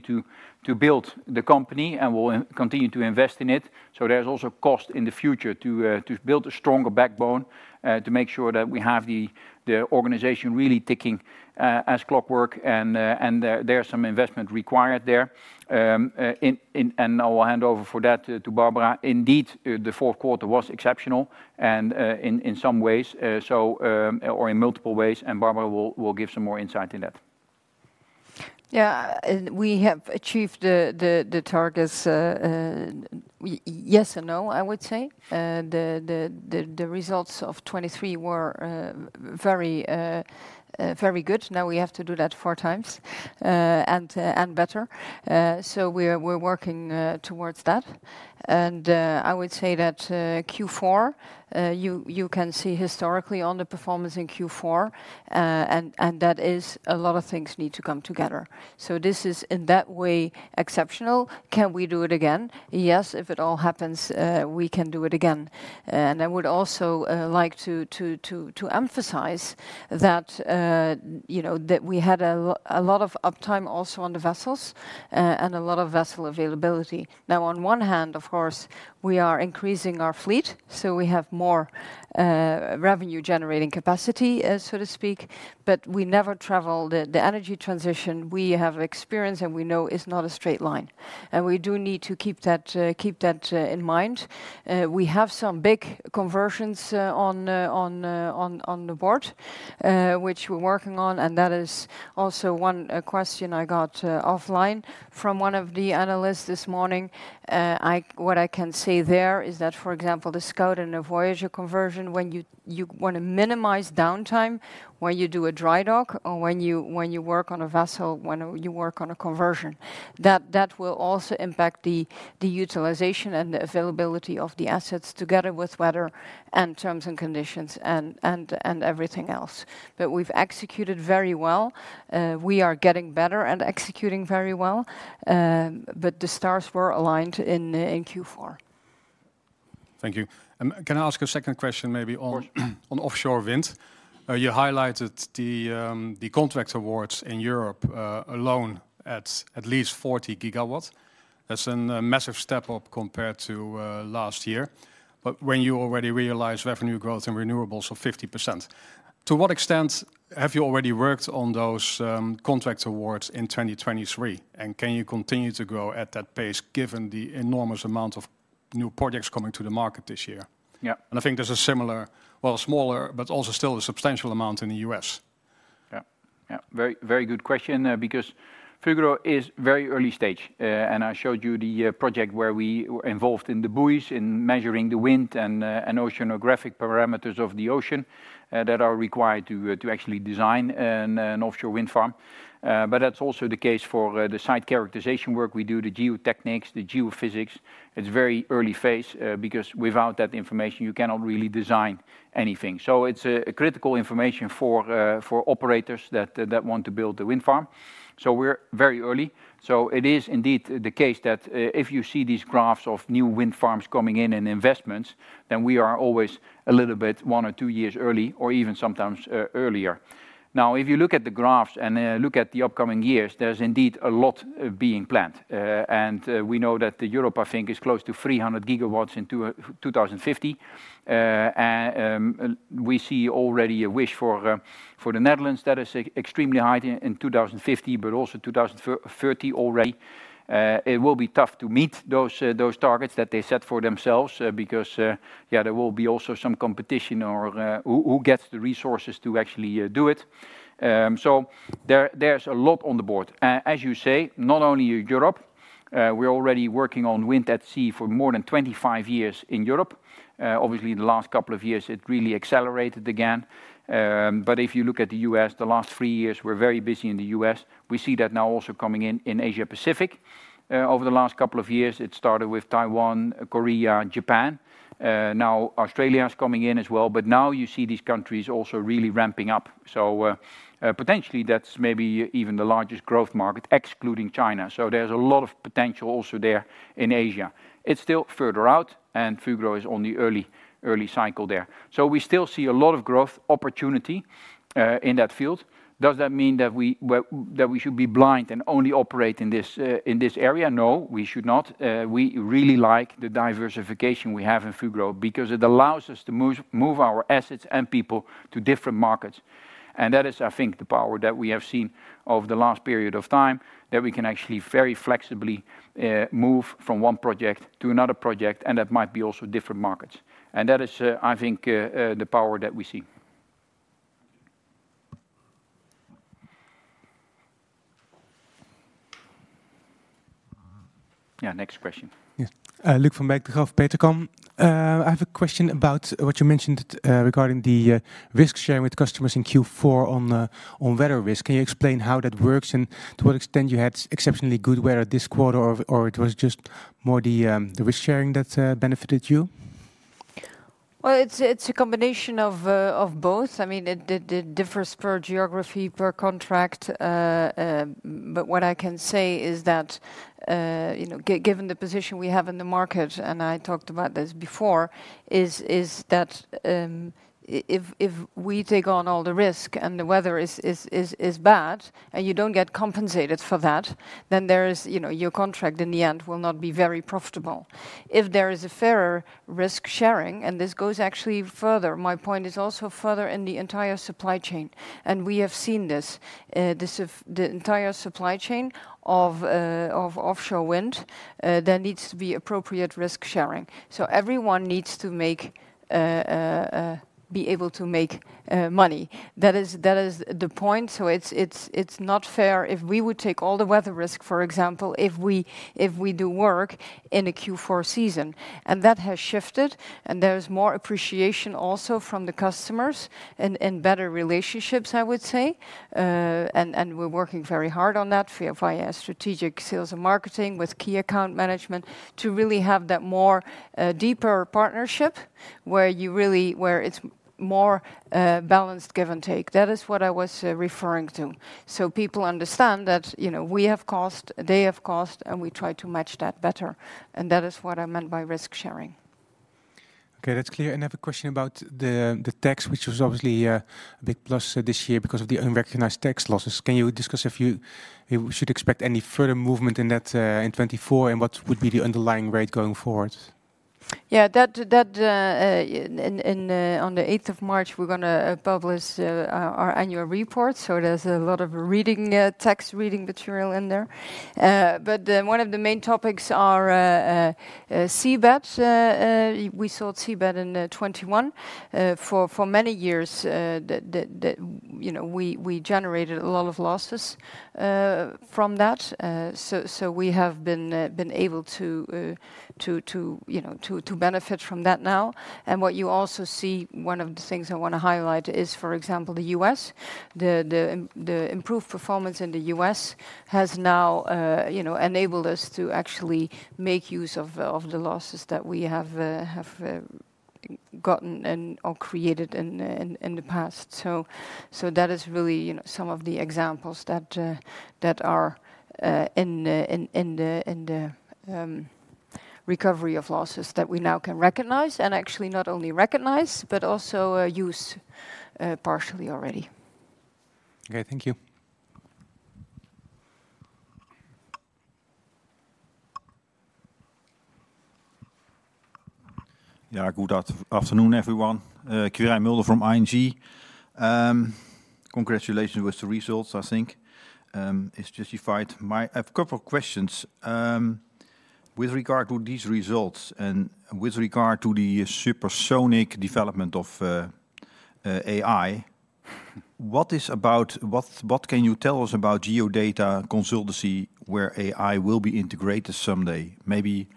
to build the company, and we'll continue to invest in it. So there's also cost in the future to build a stronger backbone, to make sure that we have the organization really ticking as clockwork, and there are some investment required there. And I will hand over for that to Barbara. Indeed, the fourth quarter was exceptional, and in some ways, so or in multiple ways, and Barbara will give some more insight in that. Yeah, and we have achieved the targets, yes and no, I would say. The results of 2023 were very good. Now we have to do that four times, and better. So we're working towards that. And I would say that Q4, you can see historically on the performance in Q4, and that is a lot of things need to come together. So this is, in that way, exceptional. Can we do it again? Yes, if it all happens, we can do it again. And I would also like to emphasize that, you know, that we had a lot of uptime also on the vessels, and a lot of vessel availability. Now, on one hand, of course, we are increasing our fleet, so we have more revenue-generating capacity, so to speak, but we never travel. The energy transition, we have experience, and we know it's not a straight line, and we do need to keep that in mind. We have some big conversions on the board, which we're working on, and that is also one question I got offline from one of the analysts this morning. What I can say there is that, for example, the Scout and the Voyager conversion, when you wanna minimize downtime, when you do a dry dock, or when you work on a vessel, when you work on a conversion, that will also impact the utilization and the availability of the assets, together with weather, and terms and conditions, and everything else. But we've executed very well. We are getting better at executing very well, but the stars were aligned in Q4. Thank you. Can I ask a second question, maybe on- Of course. On offshore wind? You highlighted the contract awards in Europe alone at least 40 GW. That's a massive step up compared to last year. But when you already realize revenue growth in renewables of 50%, to what extent have you already worked on those contract awards in 2023? And can you continue to grow at that pace, given the enormous amount of new projects coming to the market this year? Yeah. I think there's a similar, well, smaller, but also still a substantial amount in the U.S. Yeah, yeah, very, very good question, because Fugro is very early stage. And I showed you the project where we were involved in the buoys, in measuring the wind and oceanographic parameters of the ocean, that are required to actually design an offshore wind farm. But that's also the case for the site characterization work we do, the geotechnics, the geophysics. It's very early phase, because without that information, you cannot really design anything. So it's critical information for operators that want to build the wind farm, so we're very early. So it is indeed the case that, if you see these graphs of new wind farms coming in and investments, then we are always a little bit one or two years early, or even sometimes earlier. Now, if you look at the graphs and look at the upcoming years, there's indeed a lot being planned. And we know that the Europe, I think, is close to 300 GW in 2050. And we see already a wish for the Netherlands that is extremely high in 2050, but also 2030 already. It will be tough to meet those targets that they set for themselves, because yeah, there will be also some competition on who gets the resources to actually do it. So there's a lot on the board. As you say, not only Europe, we're already working on wind at sea for more than 25 years in Europe. Obviously, in the last couple of years, it really accelerated again. But if you look at the U.S., the last three years were very busy in the U.S. We see that now also coming in Asia Pacific-... Over the last couple of years, it started with Taiwan, Korea, and Japan. Now Australia is coming in as well, but now you see these countries also really ramping up. So, potentially, that's maybe even the largest growth market, excluding China. So there's a lot of potential also there in Asia. It's still further out, and Fugro is on the early, early cycle there. So we still see a lot of growth opportunity, in that field. Does that mean that we, well, that we should be blind and only operate in this, in this area? No, we should not. We really like the diversification we have in Fugro, because it allows us to move, move our assets and people to different markets. That is, I think, the power that we have seen over the last period of time, that we can actually very flexibly move from one project to another project, and that might be also different markets. That is, I think, the power that we see. Yeah, next question. Yeah. Luuk van Beek of Petercam. I have a question about what you mentioned regarding the risk sharing with customers in Q4 on the weather risk. Can you explain how that works, and to what extent you had exceptionally good weather this quarter, or it was just more the risk sharing that benefited you? Well, it's a combination of both. I mean, it differs per geography, per contract. But what I can say is that, you know, given the position we have in the market, and I talked about this before, is that, if we take on all the risk and the weather is bad, and you don't get compensated for that, then there is, you know, your contract in the end will not be very profitable. If there is a fairer risk sharing, and this goes actually further, my point is also further in the entire supply chain, and we have seen this, this of the entire supply chain of offshore wind, there needs to be appropriate risk sharing. So everyone needs to make, be able to make, money. That is the point. So it's not fair if we would take all the weather risk, for example, if we do work in a Q4 season, and that has shifted, and there is more appreciation also from the customers and better relationships, I would say. And we're working very hard on that via strategic sales and marketing with key account management, to really have that more deeper partnership, where you really, where it's more balanced give and take. That is what I was referring to. So people understand that, you know, we have cost, they have cost, and we try to match that better. And that is what I meant by risk sharing. Okay, that's clear. Another question about the tax, which was obviously a big plus this year because of the unrecognized tax losses. Can you discuss if you, we should expect any further movement in that in 2024, and what would be the underlying rate going forward? Yeah, that in on the eighth of March, we're gonna publish our annual report, so there's a lot of reading text reading material in there. But one of the main topics are Seabed. We sold Seabed in 2021. For many years, the you know we generated a lot of losses from that. So we have been able to you know to benefit from that now. And what you also see, one of the things I wanna highlight is, for example, the U.S. The improved performance in the U.S. has now, you know, enabled us to actually make use of the losses that we have gotten and or created in the past. So that is really, you know, some of the examples that are in the recovery of losses that we now can recognize, and actually not only recognize, but also use partially already. Okay, thank you. Good afternoon, everyone. Quirijn Mulder from ING. Congratulations with the results. I think, it's justified. I have a couple of questions. With regard to these results and with regard to the supersonic development of AI, what can you tell us about geodata consultancy, where AI will be integrated someday? Maybe,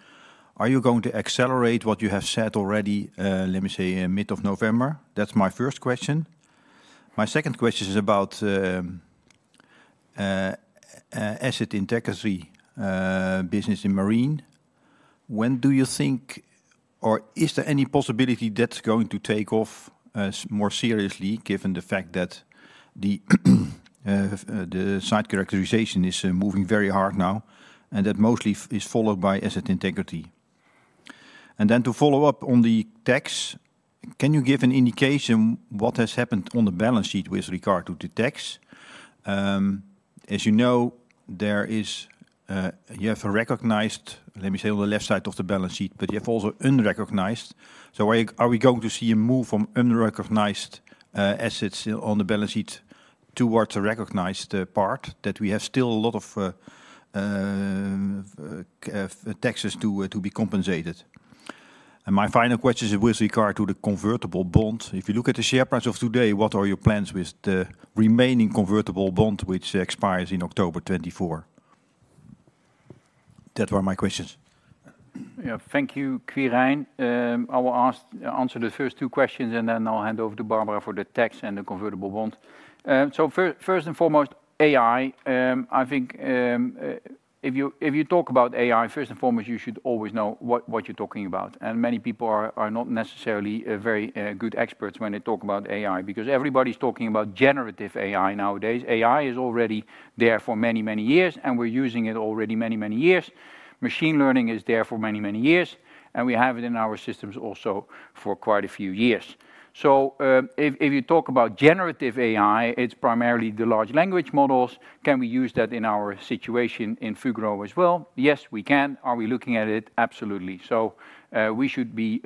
are you going to accelerate what you have said already, let me say, in mid of November? That's my first question. My second question is about asset integrity business in marine. When do you think, or is there any possibility that's going to take off more seriously, given the fact that the site characterization is moving very hard now, and that mostly is followed by asset integrity? Then to follow up on the tax, can you give an indication what has happened on the balance sheet with regard to the tax? As you know, there is, you have a recognized, let me say, on the left side of the balance sheet, but you have also unrecognized. So are, are we going to see a move from unrecognized, assets on the balance sheet towards a recognized, part, that we have still a lot of, taxes to, to be compensated? And my final question is with regard to the convertible bond. If you look at the share price of today, what are your plans with the remaining convertible bond, which expires in October 2024? That were my questions.... Yeah, thank you, Quirijn. I will answer the first two questions, and then I'll hand over to Barbara for the tax and the convertible bonds. So first and foremost, AI. I think, if you talk about AI, first and foremost, you should always know what you're talking about. And many people are not necessarily very good experts when they talk about AI, because everybody's talking about generative AI nowadays. AI is already there for many, many years, and we're using it already many, many years. Machine learning is there for many, many years, and we have it in our systems also for quite a few years. So, if you talk about generative AI, it's primarily the large language models. Can we use that in our situation in Fugro as well? Yes, we can. Are we looking at it? Absolutely. So, we should be,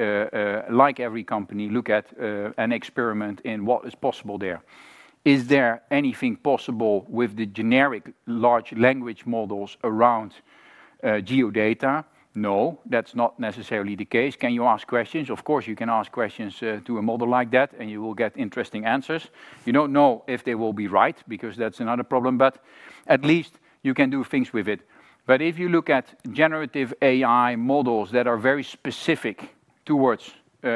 like every company, look at, and experiment in what is possible there. Is there anything possible with the generic large language models around, geo-data? No, that's not necessarily the case. Can you ask questions? Of course, you can ask questions, to a model like that, and you will get interesting answers. You don't know if they will be right, because that's another problem, but at least you can do things with it. But if you look at generative AI models that are very specific towards,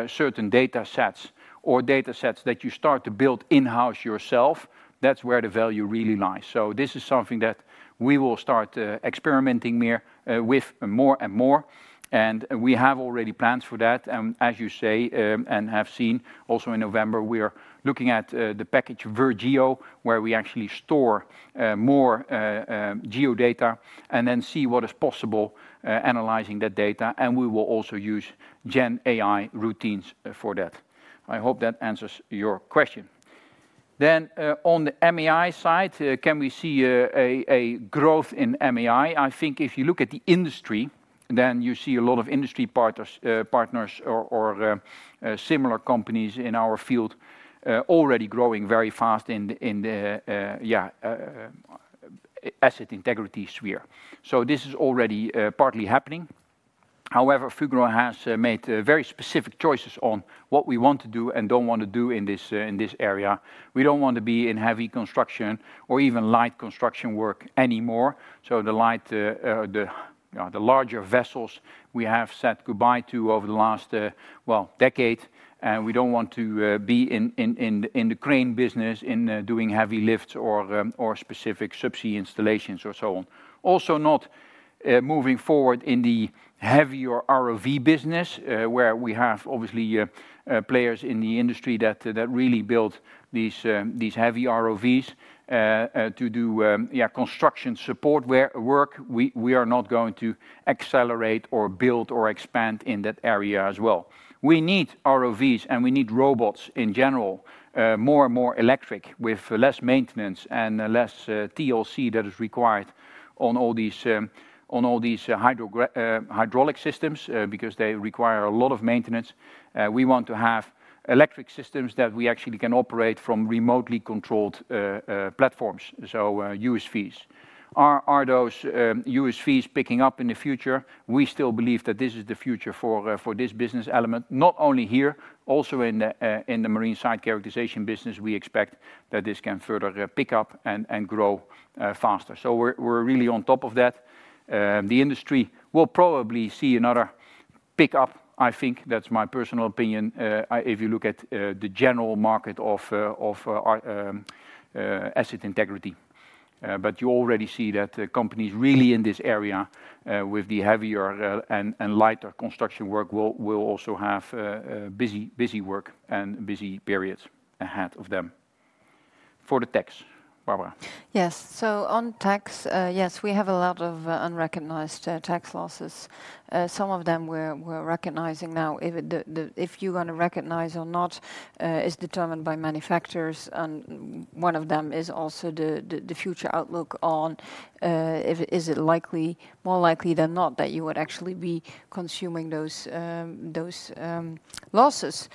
certain datasets or datasets that you start to build in-house yourself, that's where the value really lies. So this is something that we will start, experimenting more, with more and more, and we have already plans for that. And as you say, and have seen also in November, we are looking at, the package VirGeo, where we actually store, more, Geo-data, and then see what is possible, analyzing that data, and we will also use Gen AI routines, for that. I hope that answers your question. Then, on the MAI side, can we see a growth in MAI? I think if you look at the industry, then you see a lot of industry partners, partners or, similar companies in our field, already growing very fast in the, in the, asset integrity sphere. So this is already, partly happening. However, Fugro has, made, very specific choices on what we want to do and don't want to do in this, in this area. We don't want to be in heavy construction or even light construction work anymore. So the light, the larger vessels we have said goodbye to over the last, well, decade, and we don't want to be in the crane business, in doing heavy lifts or, or specific subsea installations or so on. Also, not moving forward in the heavier ROV business, where we have obviously, players in the industry that really build these, these heavy ROVs to do, yeah, construction support where work. We are not going to accelerate or build or expand in that area as well. We need ROVs, and we need robots in general, more and more electric, with less maintenance and less TLC that is required on all these hydraulic systems, because they require a lot of maintenance. We want to have electric systems that we actually can operate from remotely controlled platforms, so USVs. Are those USVs picking up in the future? We still believe that this is the future for this business element, not only here, also in the marine site characterization business. We expect that this can further pick up and grow faster. So we're really on top of that. The industry will probably see another pick-up. I think that's my personal opinion, if you look at the general market of asset integrity. But you already see that the companies really in this area with the heavier and lighter construction work will also have busy work and busy periods ahead of them. For the tax, Barbara. Yes. So on tax, yes, we have a lot of unrecognized tax losses. Some of them we're recognizing now. If you're going to recognize or not is determined by many factors, and one of them is also the future outlook on if is it likely, more likely than not, that you would actually be consuming those losses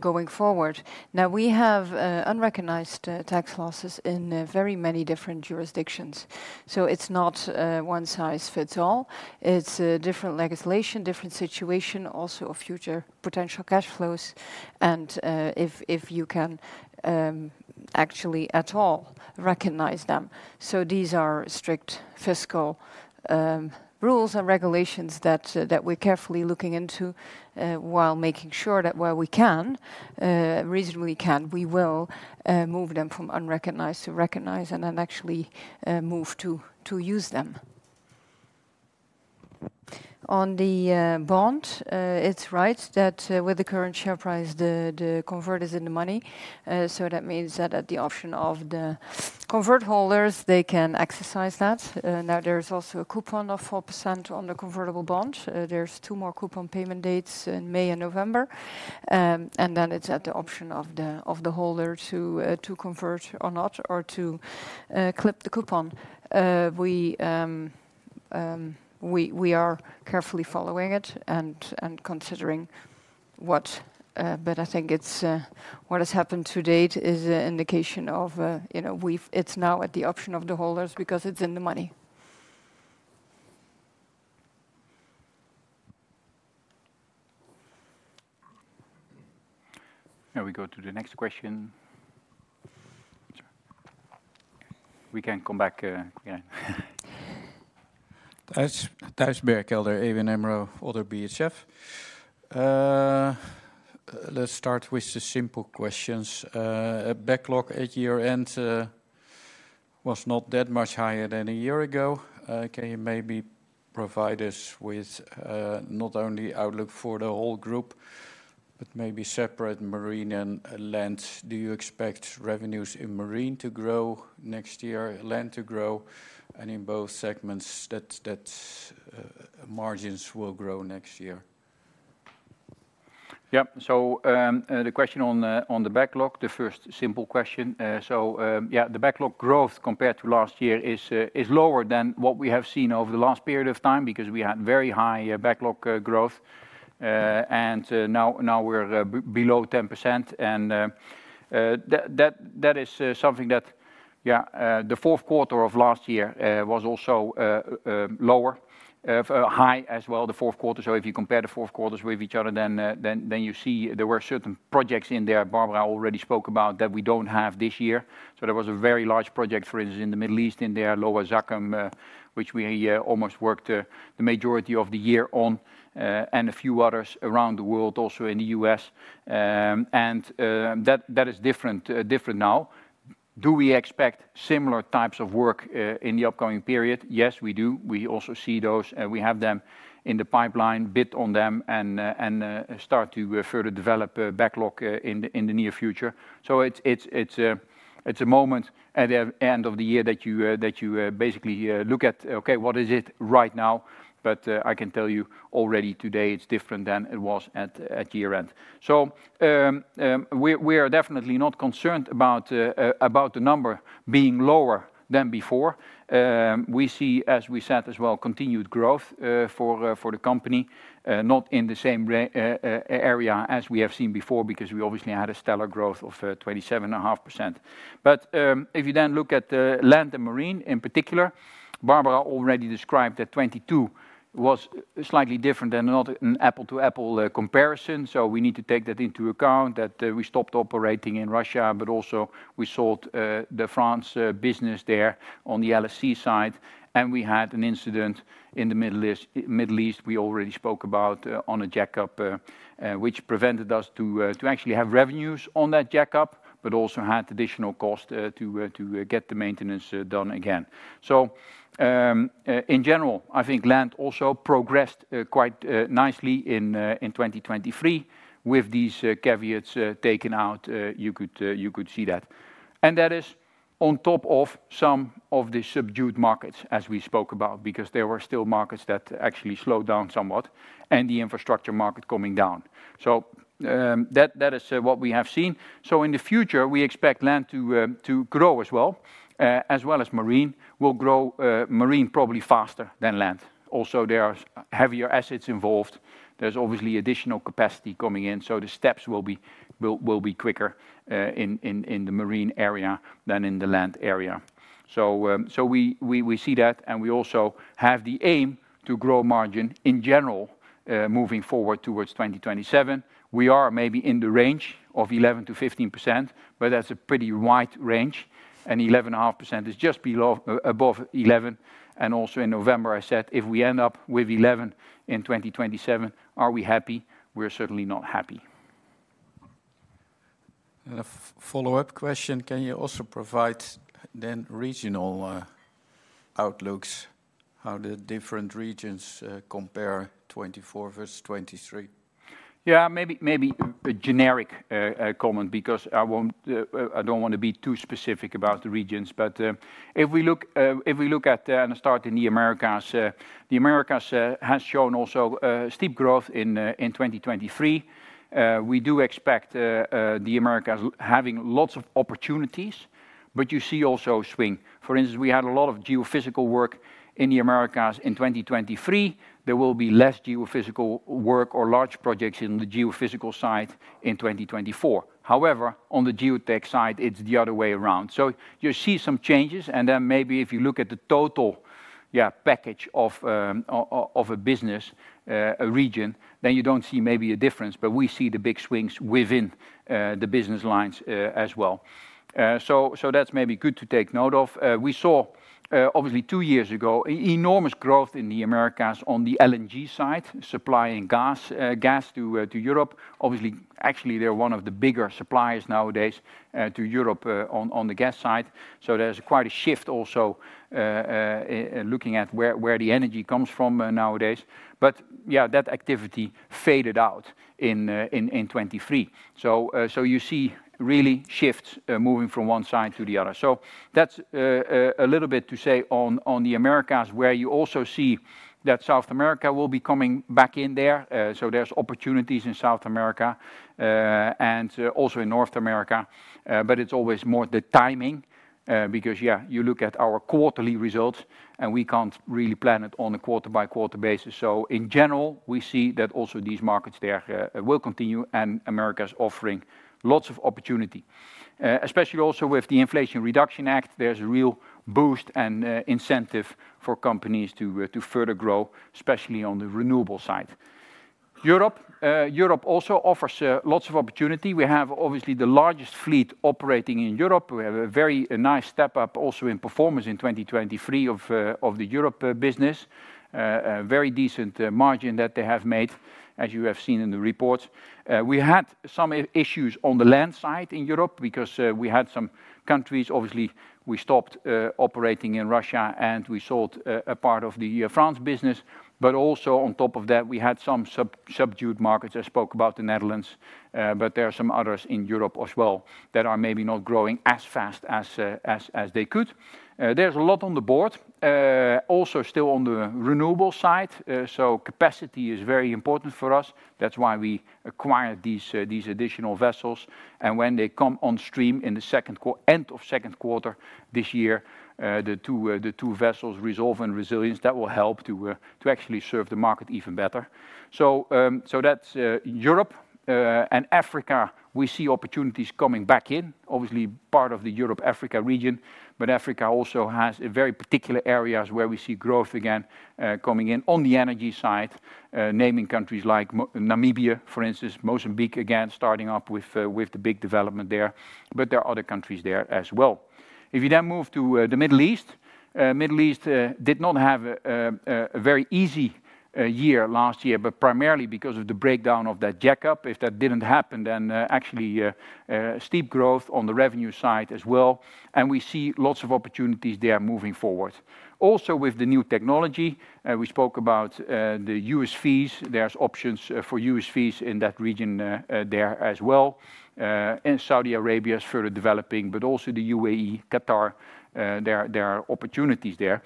going forward. Now, we have unrecognized tax losses in very many different jurisdictions, so it's not one size fits all. It's different legislation, different situation, also of future potential cash flows, and if you can actually at all recognize them. So these are strict fiscal rules and regulations that that we're carefully looking into while making sure that where we can reasonably can, we will move them from unrecognized to recognized and then actually move to use them. On the bond, it's right that with the current share price, the convert is in the money. So that means that at the option of the convert holders, they can exercise that. Now, there's also a coupon of 4% on the convertible bond. There's two more coupon payment dates in May and November, and then it's at the option of the holder to convert or not, or to clip the coupon. We are carefully following it and considering what... But I think it's what has happened to date is an indication of, you know, it's now at the option of the holders because it's in the money.... Now we go to the next question. Sorry. We can come back, yeah. That's Thijs Berkelder, ABN AMRO ODDO BHF. Let's start with the simple questions. Backlog at year-end was not that much higher than a year ago. Can you maybe provide us with not only outlook for the whole group, but maybe separate marine and land? Do you expect revenues in marine to grow next year, land to grow, and in both segments, that margins will grow next year? Yeah. So, the question on the backlog, the first simple question. So, yeah, the backlog growth compared to last year is lower than what we have seen over the last period of time, because we had very high backlog growth. And now we're below 10%, and that is something that, yeah, the fourth quarter of last year was also lower high as well, the fourth quarter. So if you compare the fourth quarters with each other, then you see there were certain projects in there Barbara already spoke about that we don't have this year. So there was a very large project, for instance, in the Middle East, in the Lower Zakum, which we almost worked the majority of the year on, and a few others around the world, also in the U.S. And that is different now. Do we expect similar types of work in the upcoming period? Yes, we do. We also see those, and we have them in the pipeline, bid on them, and start to further develop backlog in the near future. So it's a moment at the end of the year that you basically look at, "Okay, what is it right now?" But I can tell you already today, it's different than it was at year-end. So, we are definitely not concerned about the number being lower than before. We see, as we said as well, continued growth for the company, not in the same area as we have seen before, because we obviously had a stellar growth of 27.5%. But, if you then look at the Land and Marine in particular, Barbara already described that 2022 was slightly different, not an apple-to-apple comparison. So we need to take that into account, that we stopped operating in Russia, but also we sold the France business there on the LSC side, and we had an incident in the Middle East we already spoke about on a jack-up which prevented us to actually have revenues on that jack-up, but also had additional cost to get the maintenance done again. So in general, I think land also progressed quite nicely in 2023. With these caveats taken out, you could see that. And that is on top of some of the subdued markets, as we spoke about, because there were still markets that actually slowed down somewhat, and the infrastructure market coming down. So, that is what we have seen. So in the future, we expect land to grow as well as marine will grow, marine probably faster than land. Also, there are heavier assets involved. There's obviously additional capacity coming in, so the steps will be quicker in the marine area than in the land area. So, so we see that, and we also have the aim to grow margin in general, moving forward towards 2027. We are maybe in the range of 11%-15%, but that's a pretty wide range, and 11.5% is just above 11%. And also in November, I said, "If we end up with 11% in 2027, are we happy? We're certainly not happy. A follow-up question, can you also provide the regional outlooks? How the different regions compare 2024 versus 2023? Yeah, maybe a generic comment, because I won't, I don't want to be too specific about the regions. But if we look at and start in the Americas. The Americas has shown also steep growth in 2023. We do expect the Americas having lots of opportunities, but you see also swing. For instance, we had a lot of geophysical work in the Americas in 2023. There will be less geophysical work or large projects in the geophysical side in 2024. However, on the Geotech side, it's the other way around. So you see some changes, and then maybe if you look at the total, yeah, package of a business, a region, then you don't see maybe a difference, but we see the big swings within the business lines, as well. So that's maybe good to take note of. We saw, obviously, two years ago, enormous growth in the Americas on the LNG side, supplying gas to Europe. Obviously, actually, they're one of the bigger suppliers nowadays to Europe on the gas side. So there's quite a shift also looking at where the energy comes from nowadays. But yeah, that activity faded out in 2023. So you see really shifts moving from one side to the other. So that's a little bit to say on the Americas, where you also see that South America will be coming back in there. So there's opportunities in South America, and also in North America. But it's always more the timing, because, yeah, you look at our quarterly results, and we can't really plan it on a quarter-by-quarter basis. So in general, we see that also these markets there will continue, and America is offering lots of opportunity. Especially also with the Inflation Reduction Act, there's a real boost and incentive for companies to further grow, especially on the renewable side. Europe, Europe also offers lots of opportunity. We have, obviously, the largest fleet operating in Europe. We have a very, a nice step up also in performance in 2023 of, of the Europe business. A very decent margin that they have made, as you have seen in the reports. We had some issues on the land side in Europe because we had some countries, obviously, we stopped operating in Russia, and we sold a part of the France business. But also on top of that, we had some subdued markets. I spoke about the Netherlands, but there are some others in Europe as well that are maybe not growing as fast as they could. There's a lot on the board, also still on the renewable side, so capacity is very important for us. That's why we acquired these, these additional vessels, and when they come on stream in the end of second quarter this year, the two, the two vessels, Resolve and Resilience, that will help to, to actually serve the market even better. So, so that's, Europe. And Africa, we see opportunities coming back in, obviously, part of the Europe-Africa region. But Africa also has a very particular areas where we see growth again, coming in on the energy side, naming countries like Namibia, for instance, Mozambique again, starting up with, with the big development there, but there are other countries there as well. If you then move to, the Middle East, Middle East, did not have a, a very easy, year last year, but primarily because of the breakdown of that jack-up. If that didn't happen, then, actually, steep growth on the revenue side as well, and we see lots of opportunities there moving forward. Also, with the new technology we spoke about, the USVs. There's options for USVs in that region, there as well. And Saudi Arabia is further developing, but also the UAE, Qatar, there, there are opportunities there.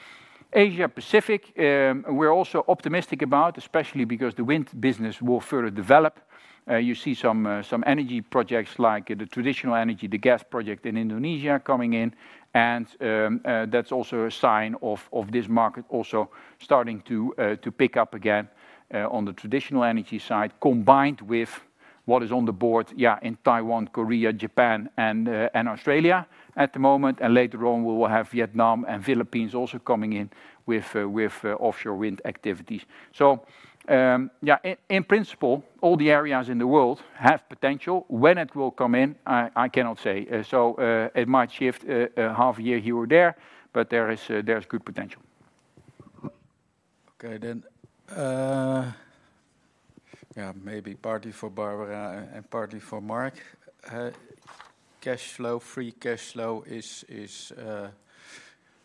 Asia Pacific, we're also optimistic about, especially because the wind business will further develop. You see some energy projects like the traditional energy, the gas project in Indonesia coming in, and, that's also a sign of this market also starting to pick up again on the traditional energy side, combined with what is on the board, yeah, in Taiwan, Korea, Japan, and Australia at the moment. Later on, we will have Vietnam and Philippines also coming in with offshore wind activities. So, yeah, in principle, all the areas in the world have potential. When it will come in, I cannot say. So, it might shift half a year here or there, but there is good potential. Okay, then, yeah, maybe partly for Barbara and partly for Mark. Cash flow, free cash flow is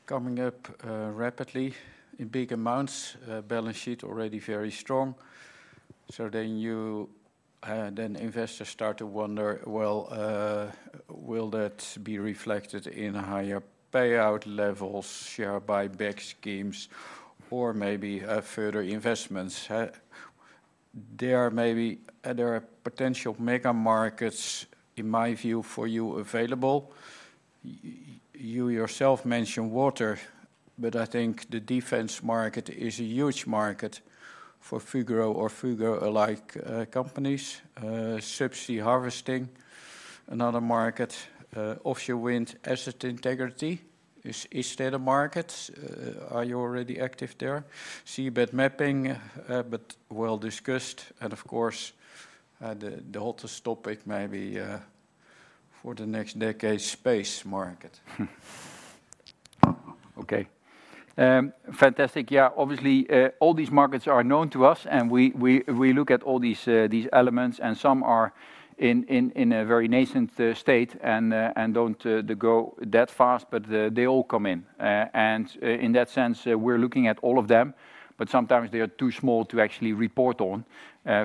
coming up rapidly in big amounts. Balance sheet already very strong. So then you... Then investors start to wonder, well, will that be reflected in higher payout levels, share buyback schemes, or maybe further investments, huh? There may be other potential mega markets, in my view, for you available. You yourself mentioned water, but I think the defense market is a huge market for Fugro or Fugro-alike companies. Subsea harvesting, another market. Offshore wind asset integrity, is there a market? Are you already active there? Seabed mapping, but well discussed, and of course, the hottest topic maybe for the next decade, space market. Okay. Fantastic. Yeah, obviously, all these markets are known to us, and we look at all these elements, and some are in a very nascent state and don't grow that fast, but they all come in. And in that sense, we're looking at all of them, but sometimes they are too small to actually report on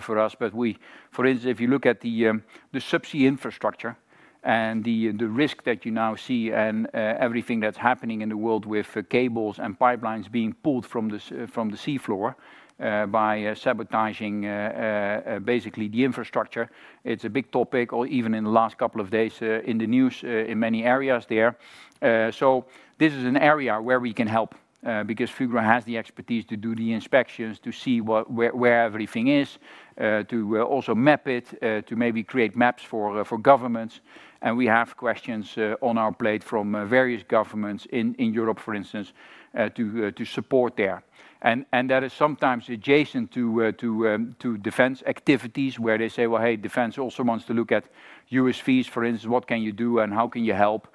for us. But we... For instance, if you look at the subsea infrastructure and the risk that you now see and everything that's happening in the world with cables and pipelines being pulled from the seafloor by sabotaging basically the infrastructure. It's a big topic, or even in the last couple of days in the news in many areas there. So this is an area where we can help, because Fugro has the expertise to do the inspections, to see what, where everything is, to also map it, to maybe create maps for governments. And we have questions on our plate from various governments in Europe, for instance, to support there. And that is sometimes adjacent to defense activities, where they say, "Well, hey, defense also wants to look at USVs, for instance, what can you do, and how can you help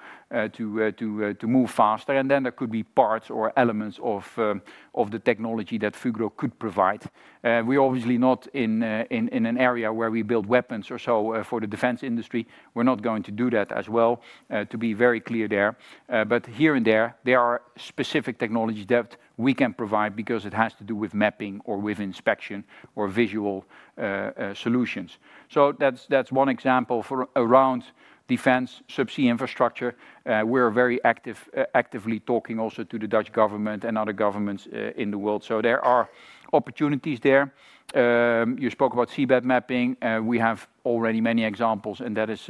to move faster?" And then there could be parts or elements of the technology that Fugro could provide. We're obviously not in an area where we build weapons or so for the defense industry. We're not going to do that as well, to be very clear there. But here and there, there are specific technologies that we can provide because it has to do with mapping or with inspection or visual solutions. So that's one example for around defense subsea infrastructure. We're very active, actively talking also to the Dutch government and other governments in the world. So there are opportunities there. You spoke about seabed mapping, we have already many examples, and that is...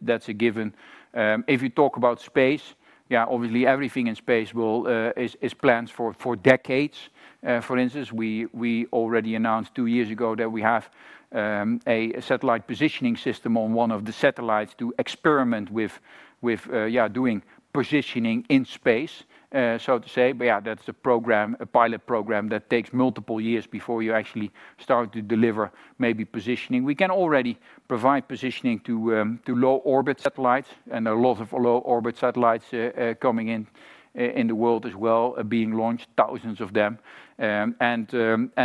That's a given. If you talk about space, yeah, obviously, everything in space is planned for decades. For instance, we already announced two years ago that we have-... A satellite positioning system on one of the satellites to experiment with, doing positioning in space, so to say. But, that's a program, a pilot program that takes multiple years before you actually start to deliver maybe positioning. We can already provide positioning to low-orbit satellites, and a lot of low-orbit satellites coming in the world as well are being launched, thousands of them.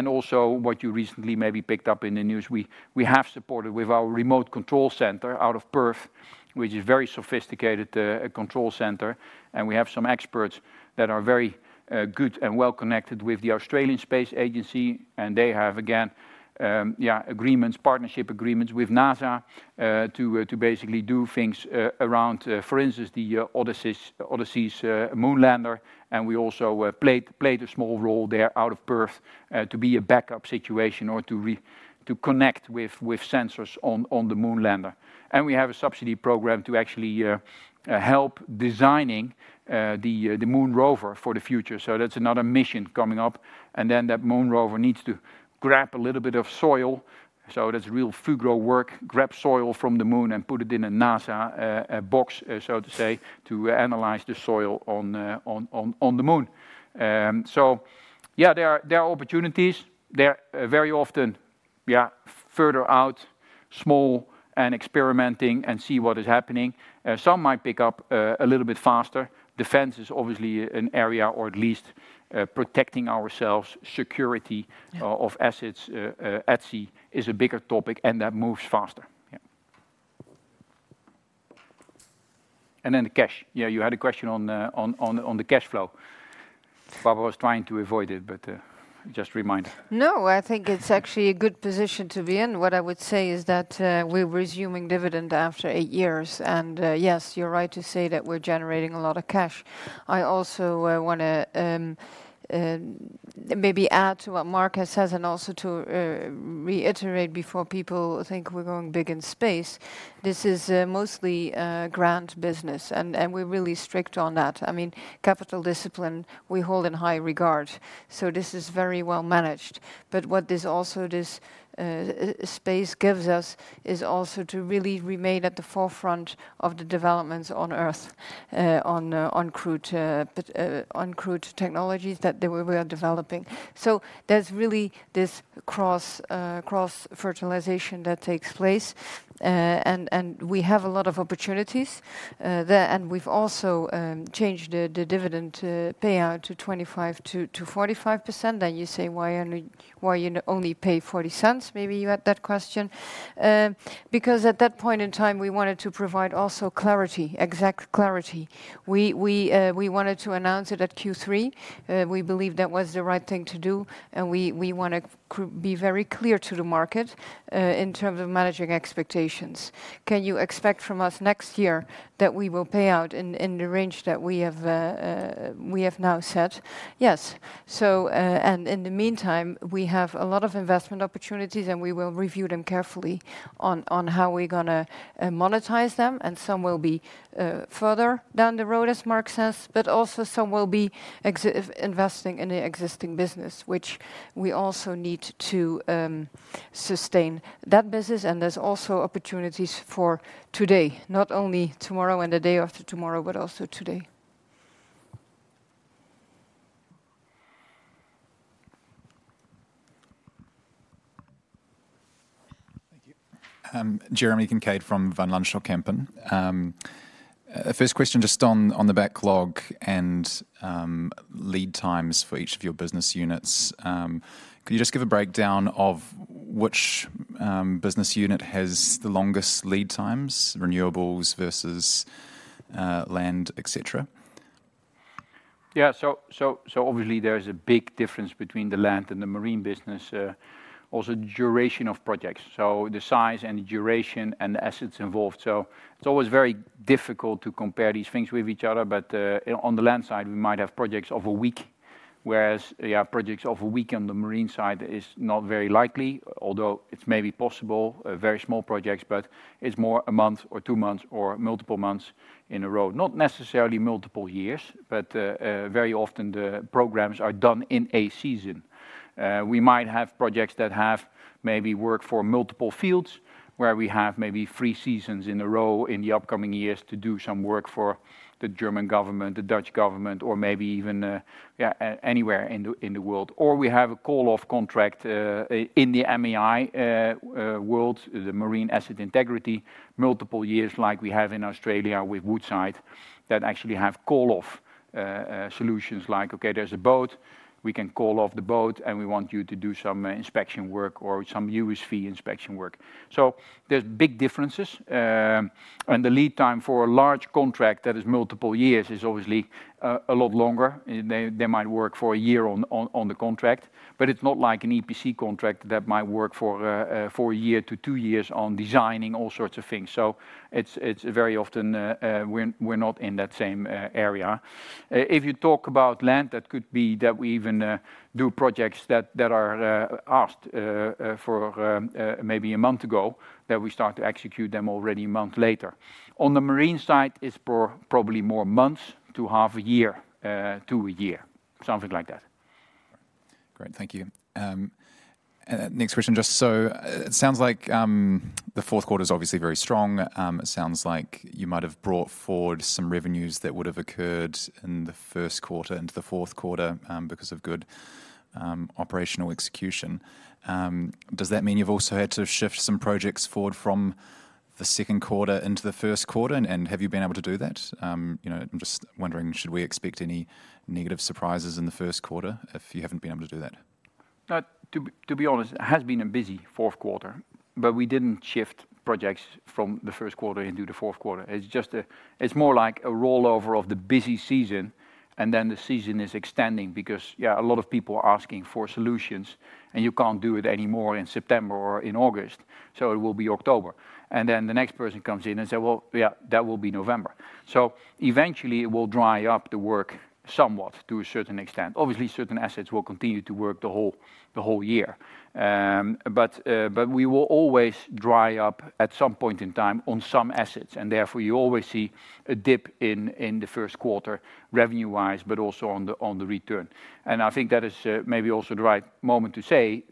Also what you recently maybe picked up in the news, we have supported with our remote control center out of Perth, which is very sophisticated control center, and we have some experts that are very good and well connected with the Australian Space Agency. They have, again, agreements, partnership agreements with NASA to basically do things around, for instance, the Odysseus moon lander, and we also played a small role there out of Perth to be a backup situation or to connect with sensors on the moon lander. We have a subsidy program to actually help designing the moon rover for the future. So that's another mission coming up, and then that moon rover needs to grab a little bit of soil. So that's real Fugro work, grab soil from the moon and put it in a NASA box, so to say, to analyze the soil on the moon. So there are opportunities. They're very often, yeah, further out, small and experimenting and see what is happening. Some might pick up a little bit faster. Defense is obviously an area or at least protecting ourselves. Security- Yeah... Of assets at sea is a bigger topic, and that moves faster. Yeah. And then the cash. Yeah, you had a question on the cash flow. Barbara was trying to avoid it, but just remind. No, I think it's actually a good position to be in. What I would say is that, we're resuming dividend after eight years. Yes, you're right to say that we're generating a lot of cash. I also, wanna, maybe add to what Mark has said and also to, reiterate before people think we're going big in space. This is, mostly, ground business, and, and we're really strict on that. I mean, capital discipline we hold in high regard, so this is very well managed. But what this also, this, space gives us, is also to really remain at the forefront of the developments on Earth, on, on cloud technologies that we, we are developing. So there's really this cross-fertilization that takes place, and we have a lot of opportunities there. We've also changed the dividend payout to 25%-45%. Then you say, "Why only... Why you only pay 0.40?" Maybe you had that question. Because at that point in time, we wanted to provide also clarity, exact clarity. We wanted to announce it at Q3. We believed that was the right thing to do, and we wanna be very clear to the market, in terms of managing expectations. Can you expect from us next year that we will pay out in the range that we have now set? Yes. So... In the meantime, we have a lot of investment opportunities, and we will review them carefully on how we're gonna monetize them, and some will be further down the road, as Mark says, but also some will be investing in the existing business, which we also need to sustain that business. And there's also opportunities for today, not only tomorrow and the day after tomorrow, but also today. Thank you. Jeremy Kincaid from Van Lanschot Kempen. First question, just on the backlog and lead times for each of your business units. Can you just give a breakdown of which business unit has the longest lead times, renewables versus land, et cetera? Yeah, so obviously, there is a big difference between the land and the marine business, also duration of projects, so the size and the duration and the assets involved. So it's always very difficult to compare these things with each other, but on the land side, we might have projects of a week, whereas, yeah, projects of a week on the marine side is not very likely, although it's maybe possible, very small projects, but it's more a month or two months or multiple months in a row. Not necessarily multiple years, but very often the programs are done in a season. We might have projects that have maybe worked for multiple fields, where we have maybe three seasons in a row in the upcoming years to do some work for the German government, the Dutch government, or maybe even anywhere in the world. Or we have a call-off contract in the MAI world, the marine asset integrity, multiple years like we have in Australia with Woodside, that actually have call-off solutions like, "Okay, there's a boat. We can call off the boat, and we want you to do some inspection work or some USV inspection work." So there's big differences. And the lead time for a large contract that is multiple years is obviously a lot longer. They might work for a year on the contract, but it's not like an EPC contract that might work for a year to two years on designing all sorts of things. So it's very often we're not in that same area. If you talk about land, that could be that we even do projects that are asked for maybe a month ago, that we start to execute them already a month later. On the marine side, it's probably more months to half a year to a year... something like that. Great. Thank you. And next question, just so it sounds like, the fourth quarter is obviously very strong. It sounds like you might have brought forward some revenues that would have occurred in the first quarter into the fourth quarter, because of good operational execution. Does that mean you've also had to shift some projects forward from the second quarter into the first quarter? And have you been able to do that? You know, I'm just wondering, should we expect any negative surprises in the first quarter if you haven't been able to do that? To be honest, it has been a busy fourth quarter, but we didn't shift projects from the first quarter into the fourth quarter. It's just, it's more like a rollover of the busy season, and then the season is extending because, yeah, a lot of people are asking for solutions, and you can't do it anymore in September or in August, so it will be October. And then the next person comes in and say, "Well, yeah, that will be November." So eventually, it will dry up the work somewhat to a certain extent. Obviously, certain assets will continue to work the whole year. But we will always dry up at some point in time on some assets, and therefore, you always see a dip in the first quarter, revenue-wise, but also on the return. I think that is maybe also the right moment to say,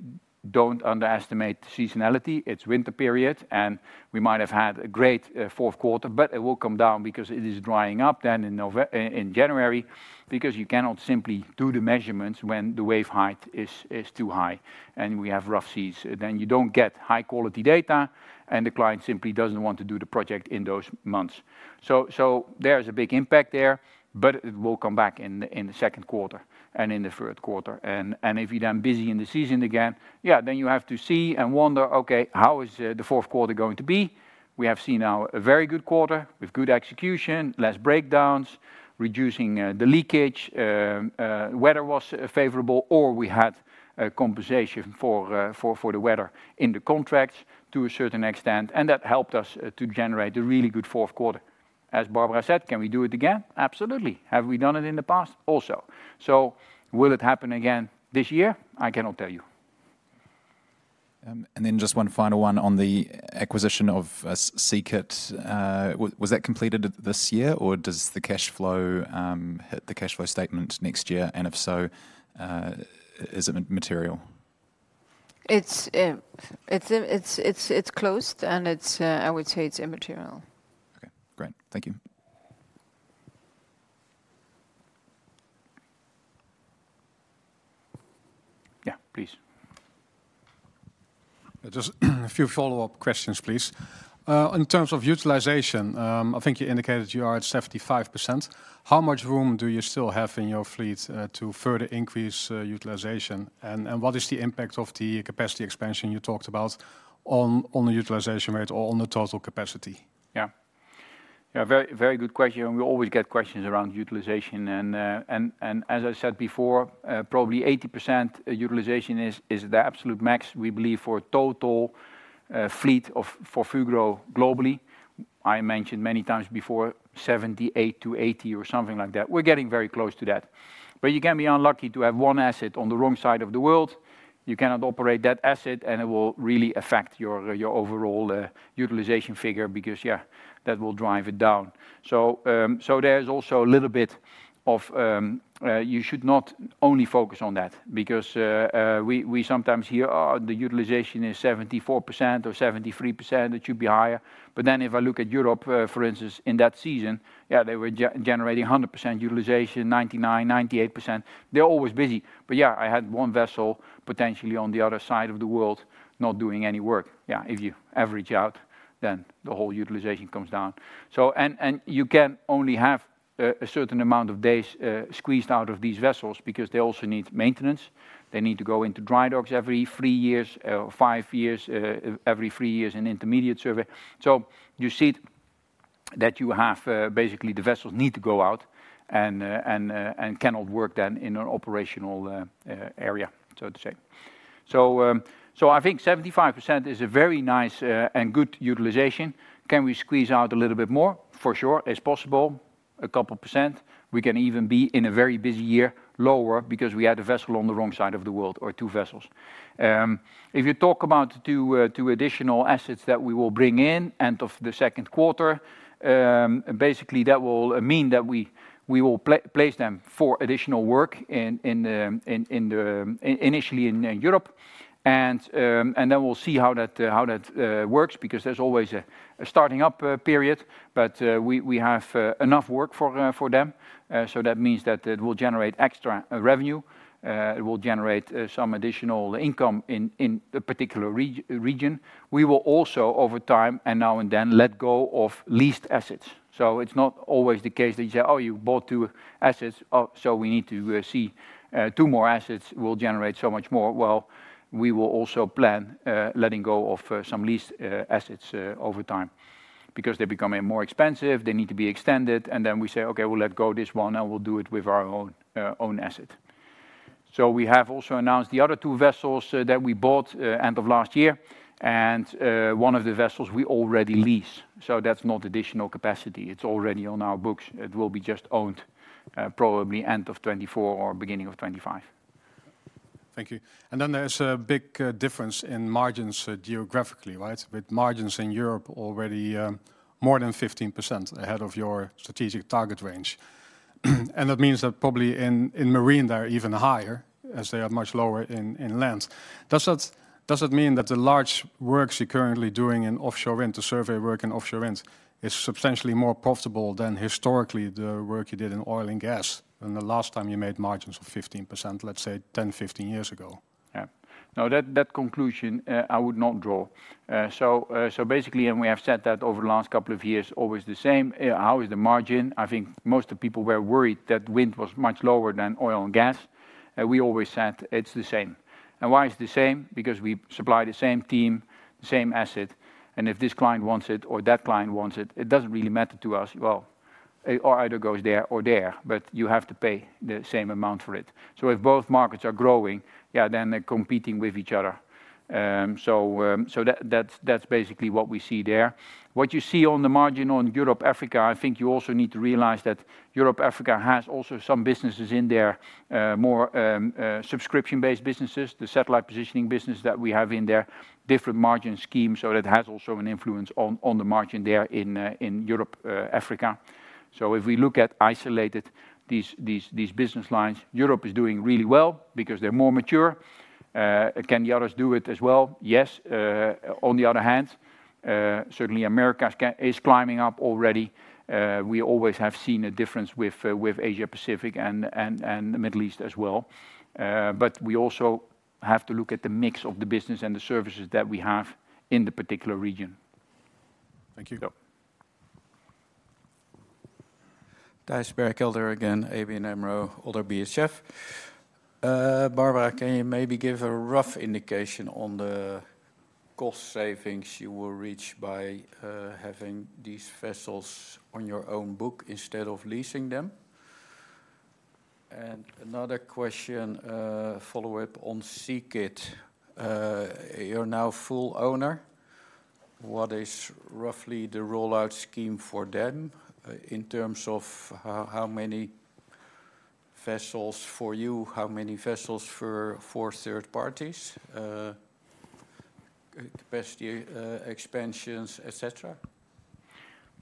don't underestimate the seasonality. It's winter period, and we might have had a great fourth quarter, but it will come down because it is drying up then in January, because you cannot simply do the measurements when the wave height is too high and we have rough seas. Then you don't get high quality data, and the client simply doesn't want to do the project in those months. There is a big impact there, but it will come back in the second quarter and in the third quarter. If you then busy in the season again, yeah, then you have to see and wonder, "Okay, how is the fourth quarter going to be?" We have seen now a very good quarter with good execution, less breakdowns, reducing the leakage, weather was favorable, or we had a compensation for the weather in the contracts to a certain extent, and that helped us to generate a really good fourth quarter. As Barbara said, "Can we do it again?" Absolutely. Have we done it in the past? Also. So will it happen again this year? I cannot tell you. And then just one final one on the acquisition of SEA-KIT. Was that completed this year, or does the cash flow hit the cash flow statement next year? And if so, is it material? It's closed, and I would say it's immaterial. Okay, great. Thank you. Yeah, please. Just a few follow-up questions, please. In terms of utilization, I think you indicated you are at 75%. How much room do you still have in your fleet, to further increase, utilization? And, and what is the impact of the capacity expansion you talked about on, on the utilization rate or on the total capacity? Yeah. Yeah, very, very good question, and we always get questions around utilization. And as I said before, probably 80% utilization is the absolute max, we believe, for total fleet of- for Fugro globally. I mentioned many times before, 78%-80% or something like that. We're getting very close to that. But you can be unlucky to have one asset on the wrong side of the world. You cannot operate that asset, and it will really affect your overall utilization figure because, yeah, that will drive it down. So there's also a little bit of... You should not only focus on that because we sometimes hear, "Oh, the utilization is 74% or 73%, it should be higher." But then if I look at Europe, for instance, in that season, yeah, they were generating 100% utilization, 99%, 98%. They're always busy. But yeah, I had one vessel potentially on the other side of the world not doing any work. Yeah, if you average out, then the whole utilization comes down. So and you can only have a certain amount of days squeezed out of these vessels because they also need maintenance. They need to go into dry docks every three years, five years, every three years in intermediate survey. So you see that you have, basically, the vessels need to go out and cannot work then in an operational area, so to say. So I think 75% is a very nice and good utilization. Can we squeeze out a little bit more? For sure, it's possible, a couple %. We can even be, in a very busy year, lower because we had a vessel on the wrong side of the world or two vessels. If you talk about two additional assets that we will bring in end of the second quarter, basically that will mean that we will place them for additional work in the, initially in Europe. Then we'll see how that works because there's always a starting up period, but we have enough work for them. So that means that it will generate extra revenue. It will generate some additional income in a particular region. We will also, over time, and now and then, let go of leased assets. So it's not always the case that you say, "Oh, you bought two assets, so we need to see two more assets will generate so much more." Well, we will also plan letting go of some leased assets over time because they're becoming more expensive, they need to be extended, and then we say, "Okay, we'll let go of this one, and we'll do it with our own asset." So we have also announced the other two vessels that we bought end of last year, and one of the vessels we already lease, so that's not additional capacity. It's already on our books. It will be just owned probably end of 2024 or beginning of 2025.... Thank you. And then there's a big, difference in margins, geographically, right? With margins in Europe already, more than 15% ahead of your strategic target range. And that means that probably in, in marine they are even higher, as they are much lower in, in land. Does that, does that mean that the large works you're currently doing in offshore wind, the survey work in offshore wind, is substantially more profitable than historically the work you did in oil and gas, and the last time you made margins of 15%, let's say 10, 15 years ago? Yeah. No, that, that conclusion, I would not draw. So basically, and we have said that over the last couple of years, always the same. How is the margin? I think most of the people were worried that wind was much lower than oil and gas. We always said, "It's the same." And why it's the same? Because we supply the same team, the same asset, and if this client wants it or that client wants it, it doesn't really matter to us. Well, it either goes there or there, but you have to pay the same amount for it. So if both markets are growing, yeah, then they're competing with each other. So that, that's basically what we see there. What you see on the margin on Europe, Africa, I think you also need to realize that Europe, Africa, has also some businesses in there, more, subscription-based businesses, the satellite positioning business that we have in there, different margin schemes, so that has also an influence on the margin there in Europe, Africa. So if we look at isolated, these business lines, Europe is doing really well because they're more mature. Can the others do it as well? Yes. On the other hand, certainly America is climbing up already. We always have seen a difference with Asia Pacific and the Middle East as well. But we also have to look at the mix of the business and the services that we have in the particular region. Thank you. Yeah. Thijs Berkelder here again, ABN AMRO ODDO BHF. Barbara, can you maybe give a rough indication on the cost savings you will reach by having these vessels on your own book instead of leasing them? And another question, follow-up on SEA-KIT. You're now full owner. What is roughly the rollout scheme for them in terms of how, how many vessels for you, how many vessels for third parties, capacity expansions, et cetera?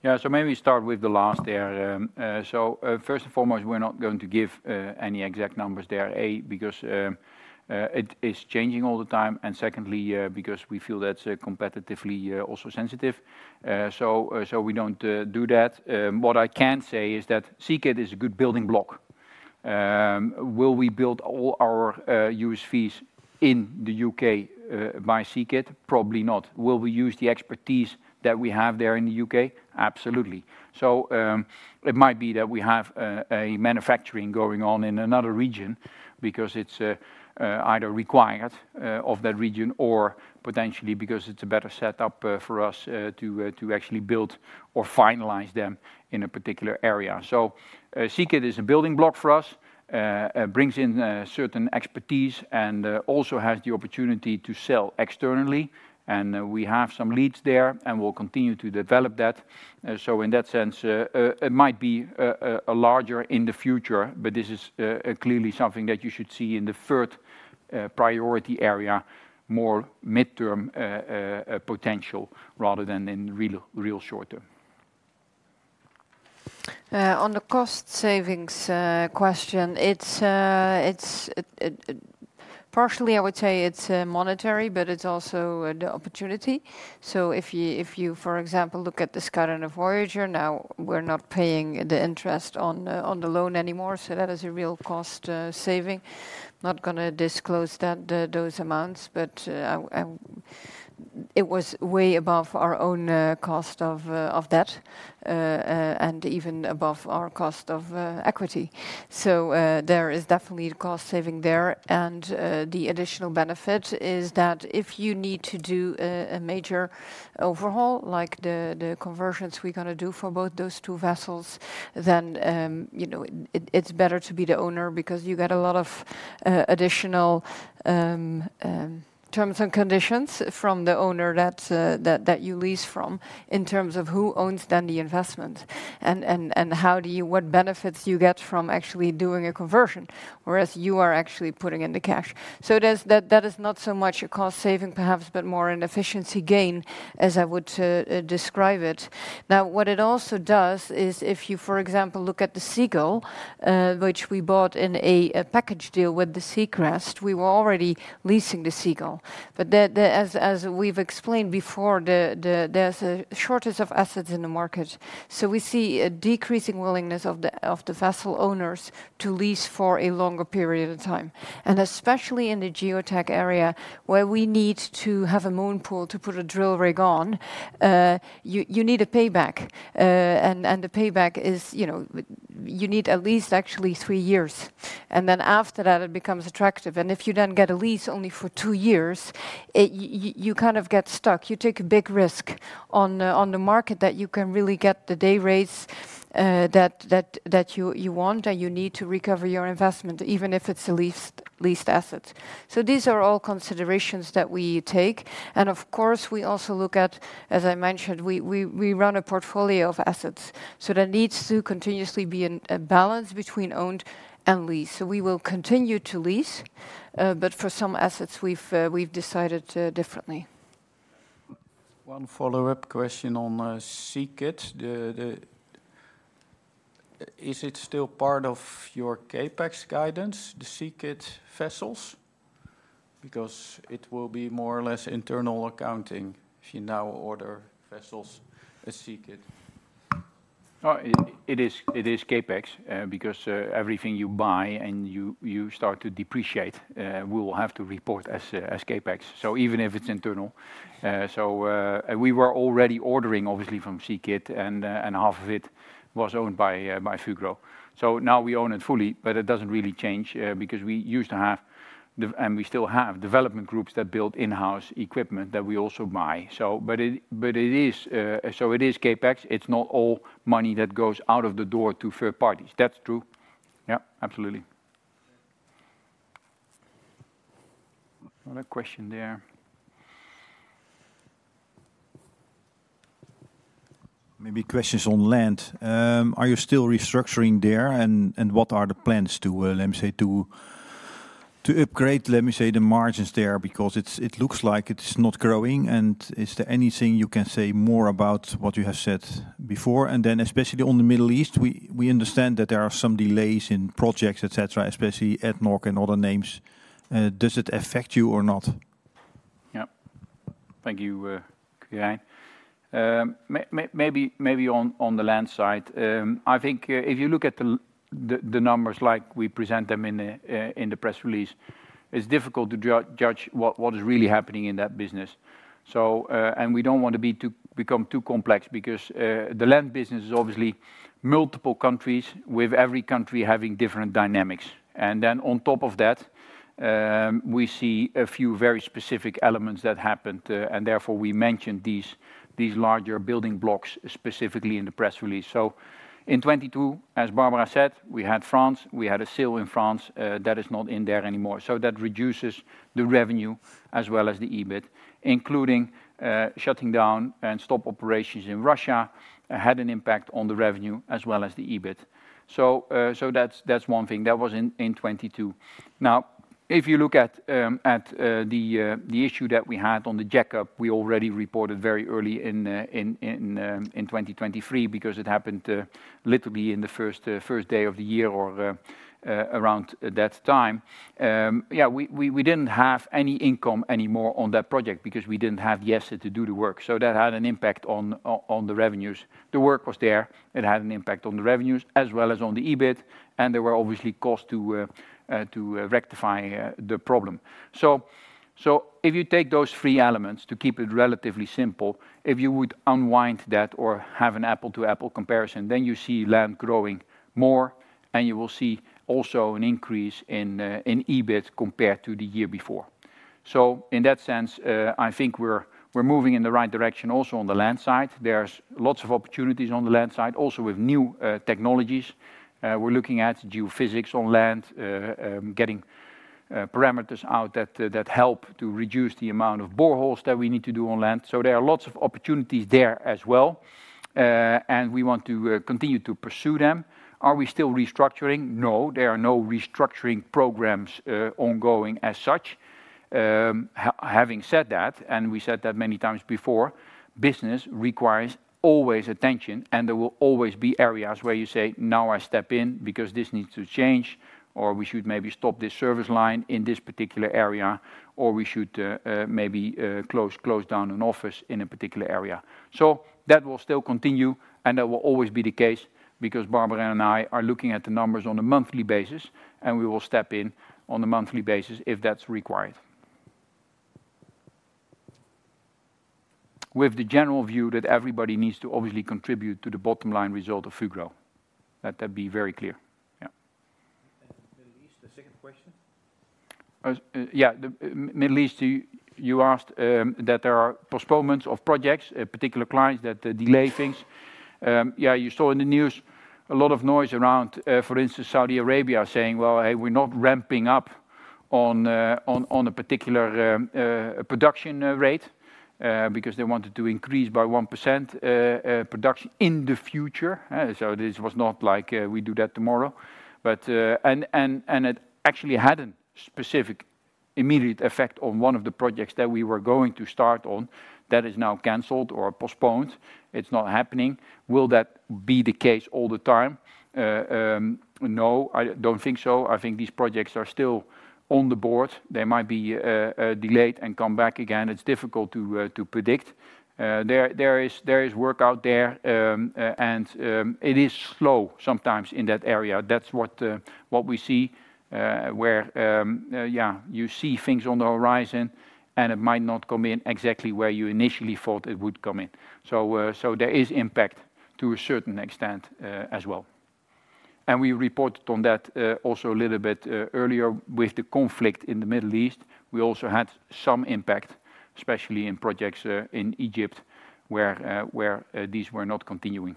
Yeah. So maybe start with the last there. So, first and foremost, we're not going to give any exact numbers there, A, because it is changing all the time, and secondly, because we feel that's competitively also sensitive. So, so we don't do that. What I can say is that SEA-KIT is a good building block. Will we build all our USVs in the U.K. by SEA-KIT? Probably not. Will we use the expertise that we have there in the U.K.? Absolutely. So, it might be that we have a manufacturing going on in another region because it's either required of that region or potentially because it's a better setup for us to actually build or finalize them in a particular area. So, SEA-KIT is a building block for us, brings in certain expertise, and also has the opportunity to sell externally, and we have some leads there, and we'll continue to develop that. So in that sense, it might be a larger in the future, but this is clearly something that you should see in the third priority area, more midterm potential, rather than in real, real short term. On the cost savings question, it's partially, I would say it's monetary, but it's also the opportunity. So if you, for example, look at the Scout and the Voyager, now we're not paying the interest on the loan anymore, so that is a real cost saving. Not gonna disclose that those amounts, but it was way above our own cost of debt, and even above our cost of equity. So, there is definitely a cost saving there, and, the additional benefit is that if you need to do a major overhaul, like the conversions we're gonna do for both those two vessels, then, you know, it's better to be the owner because you get a lot of additional terms and conditions from the owner that you lease from, in terms of who owns then the investment, and what benefits you get from actually doing a conversion, whereas you are actually putting in the cash. So it is, that is not so much a cost saving perhaps, but more an efficiency gain, as I would describe it. Now, what it also does is, if you, for example, look at the Seagull, which we bought in a package deal with the Sea Goldcrest, we were already leasing the Seagull. But as we've explained before, there's a shortage of assets in the market. So we see a decreasing willingness of the vessel owners to lease for a longer period of time, and especially in the Geotech area, where we need to have a moon pool to put a drill rig on. You need a payback, and the payback is, you know, you need at least actually three years, and then after that, it becomes attractive. And if you then get a lease only for two years, it... you kind of get stuck. You take a big risk on the market that you can really get the day rates that you want, and you need to recover your investment, even if it's a leased asset. So these are all considerations that we take, and of course, we also look at, as I mentioned, we run a portfolio of assets, so there needs to continuously be a balance between owned and lease. So we will continue to lease, but for some assets, we've decided differently.... One follow-up question on SEA-KIT. Is it still part of your CapEx guidance, the SEA-KIT vessels? Because it will be more or less internal accounting if you now order vessels as SEA-KIT. Oh, it is CapEx because everything you buy and you start to depreciate we will have to report as CapEx, so even if it's internal. So, and we were already ordering obviously from SEA-KIT, and half of it was owned by Fugro. So now we own it fully, but it doesn't really change because we used to have and we still have development groups that build in-house equipment that we also buy. So but it is. So it is CapEx, it's not all money that goes out of the door to third parties. That's true. Yeah, absolutely. Another question there? Maybe questions on land. Are you still restructuring there, and what are the plans to, let me say, to upgrade, let me say, the margins there? Because it looks like it's not growing, and is there anything you can say more about what you have said before? And then especially on the Middle East, we understand that there are some delays in projects, et cetera, especially at North and other names. Does it affect you or not? Yeah. Thank you, Quirijn. Maybe on the land side, I think, if you look at the numbers like we present them in the press release, it's difficult to judge what is really happening in that business. So, and we don't want to become too complex because the land business is obviously multiple countries, with every country having different dynamics. And then on top of that, we see a few very specific elements that happened, and therefore, we mentioned these larger building blocks, specifically in the press release. So in 2022, as Barbara said, we had France, we had a sale in France, that is not in there anymore. So that reduces the revenue as well as the EBIT, including shutting down and stop operations in Russia, had an impact on the revenue as well as the EBIT. So, so that's, that's one thing. That was in 2022. Now, if you look at the issue that we had on the Jackup, we already reported very early in 2023, because it happened literally in the first day of the year or around that time. Yeah, we didn't have any income anymore on that project because we didn't have the asset to do the work, so that had an impact on the revenues. The work was there. It had an impact on the revenues as well as on the EBIT, and there were obviously costs to rectify the problem. So if you take those three elements, to keep it relatively simple, if you would unwind that or have an apple-to-apple comparison, then you see land growing more, and you will see also an increase in EBIT compared to the year before. So in that sense, I think we're moving in the right direction also on the land side. There's lots of opportunities on the land side, also with new technologies. We're looking at geophysics on land, getting parameters out that help to reduce the amount of boreholes that we need to do on land. So there are lots of opportunities there as well, and we want to continue to pursue them. Are we still restructuring? No, there are no restructuring programs, ongoing as such. Having said that, and we said that many times before, business requires always attention, and there will always be areas where you say, "Now I step in because this needs to change," or, "We should maybe stop this service line in this particular area," or, "We should maybe close down an office in a particular area." So that will still continue, and that will always be the case because Barbara and I are looking at the numbers on a monthly basis, and we will step in on a monthly basis if that's required. With the general view that everybody needs to obviously contribute to the bottom line result of Fugro. Let that be very clear. Yeah. Middle East, the second question? Yeah, the Middle East, you asked that there are postponements of projects, particular clients that delay things. Yeah, you saw in the news a lot of noise around, for instance, Saudi Arabia saying, "Well, hey, we're not ramping up on a particular production rate," because they wanted to increase by 1% production in the future, huh? So this was not like we do that tomorrow. But it actually had a specific immediate effect on one of the projects that we were going to start on that is now canceled or postponed. It's not happening. Will that be the case all the time? No, I don't think so. I think these projects are still on the board. They might be delayed and come back again. It's difficult to predict. There is work out there, and it is slow sometimes in that area. That's what we see, where yeah, you see things on the horizon, and it might not come in exactly where you initially thought it would come in. So there is impact to a certain extent, as well. And we reported on that also a little bit earlier with the conflict in the Middle East. We also had some impact, especially in projects in Egypt, where these were not continuing.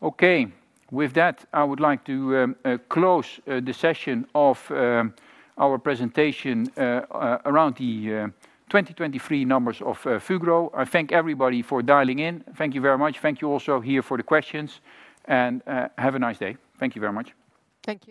Okay, with that, I would like to close the session of our presentation around the 2023 numbers of Fugro. I thank everybody for dialing in. Thank you very much. Thank you also here for the questions, and have a nice day. Thank you very much. Thank you.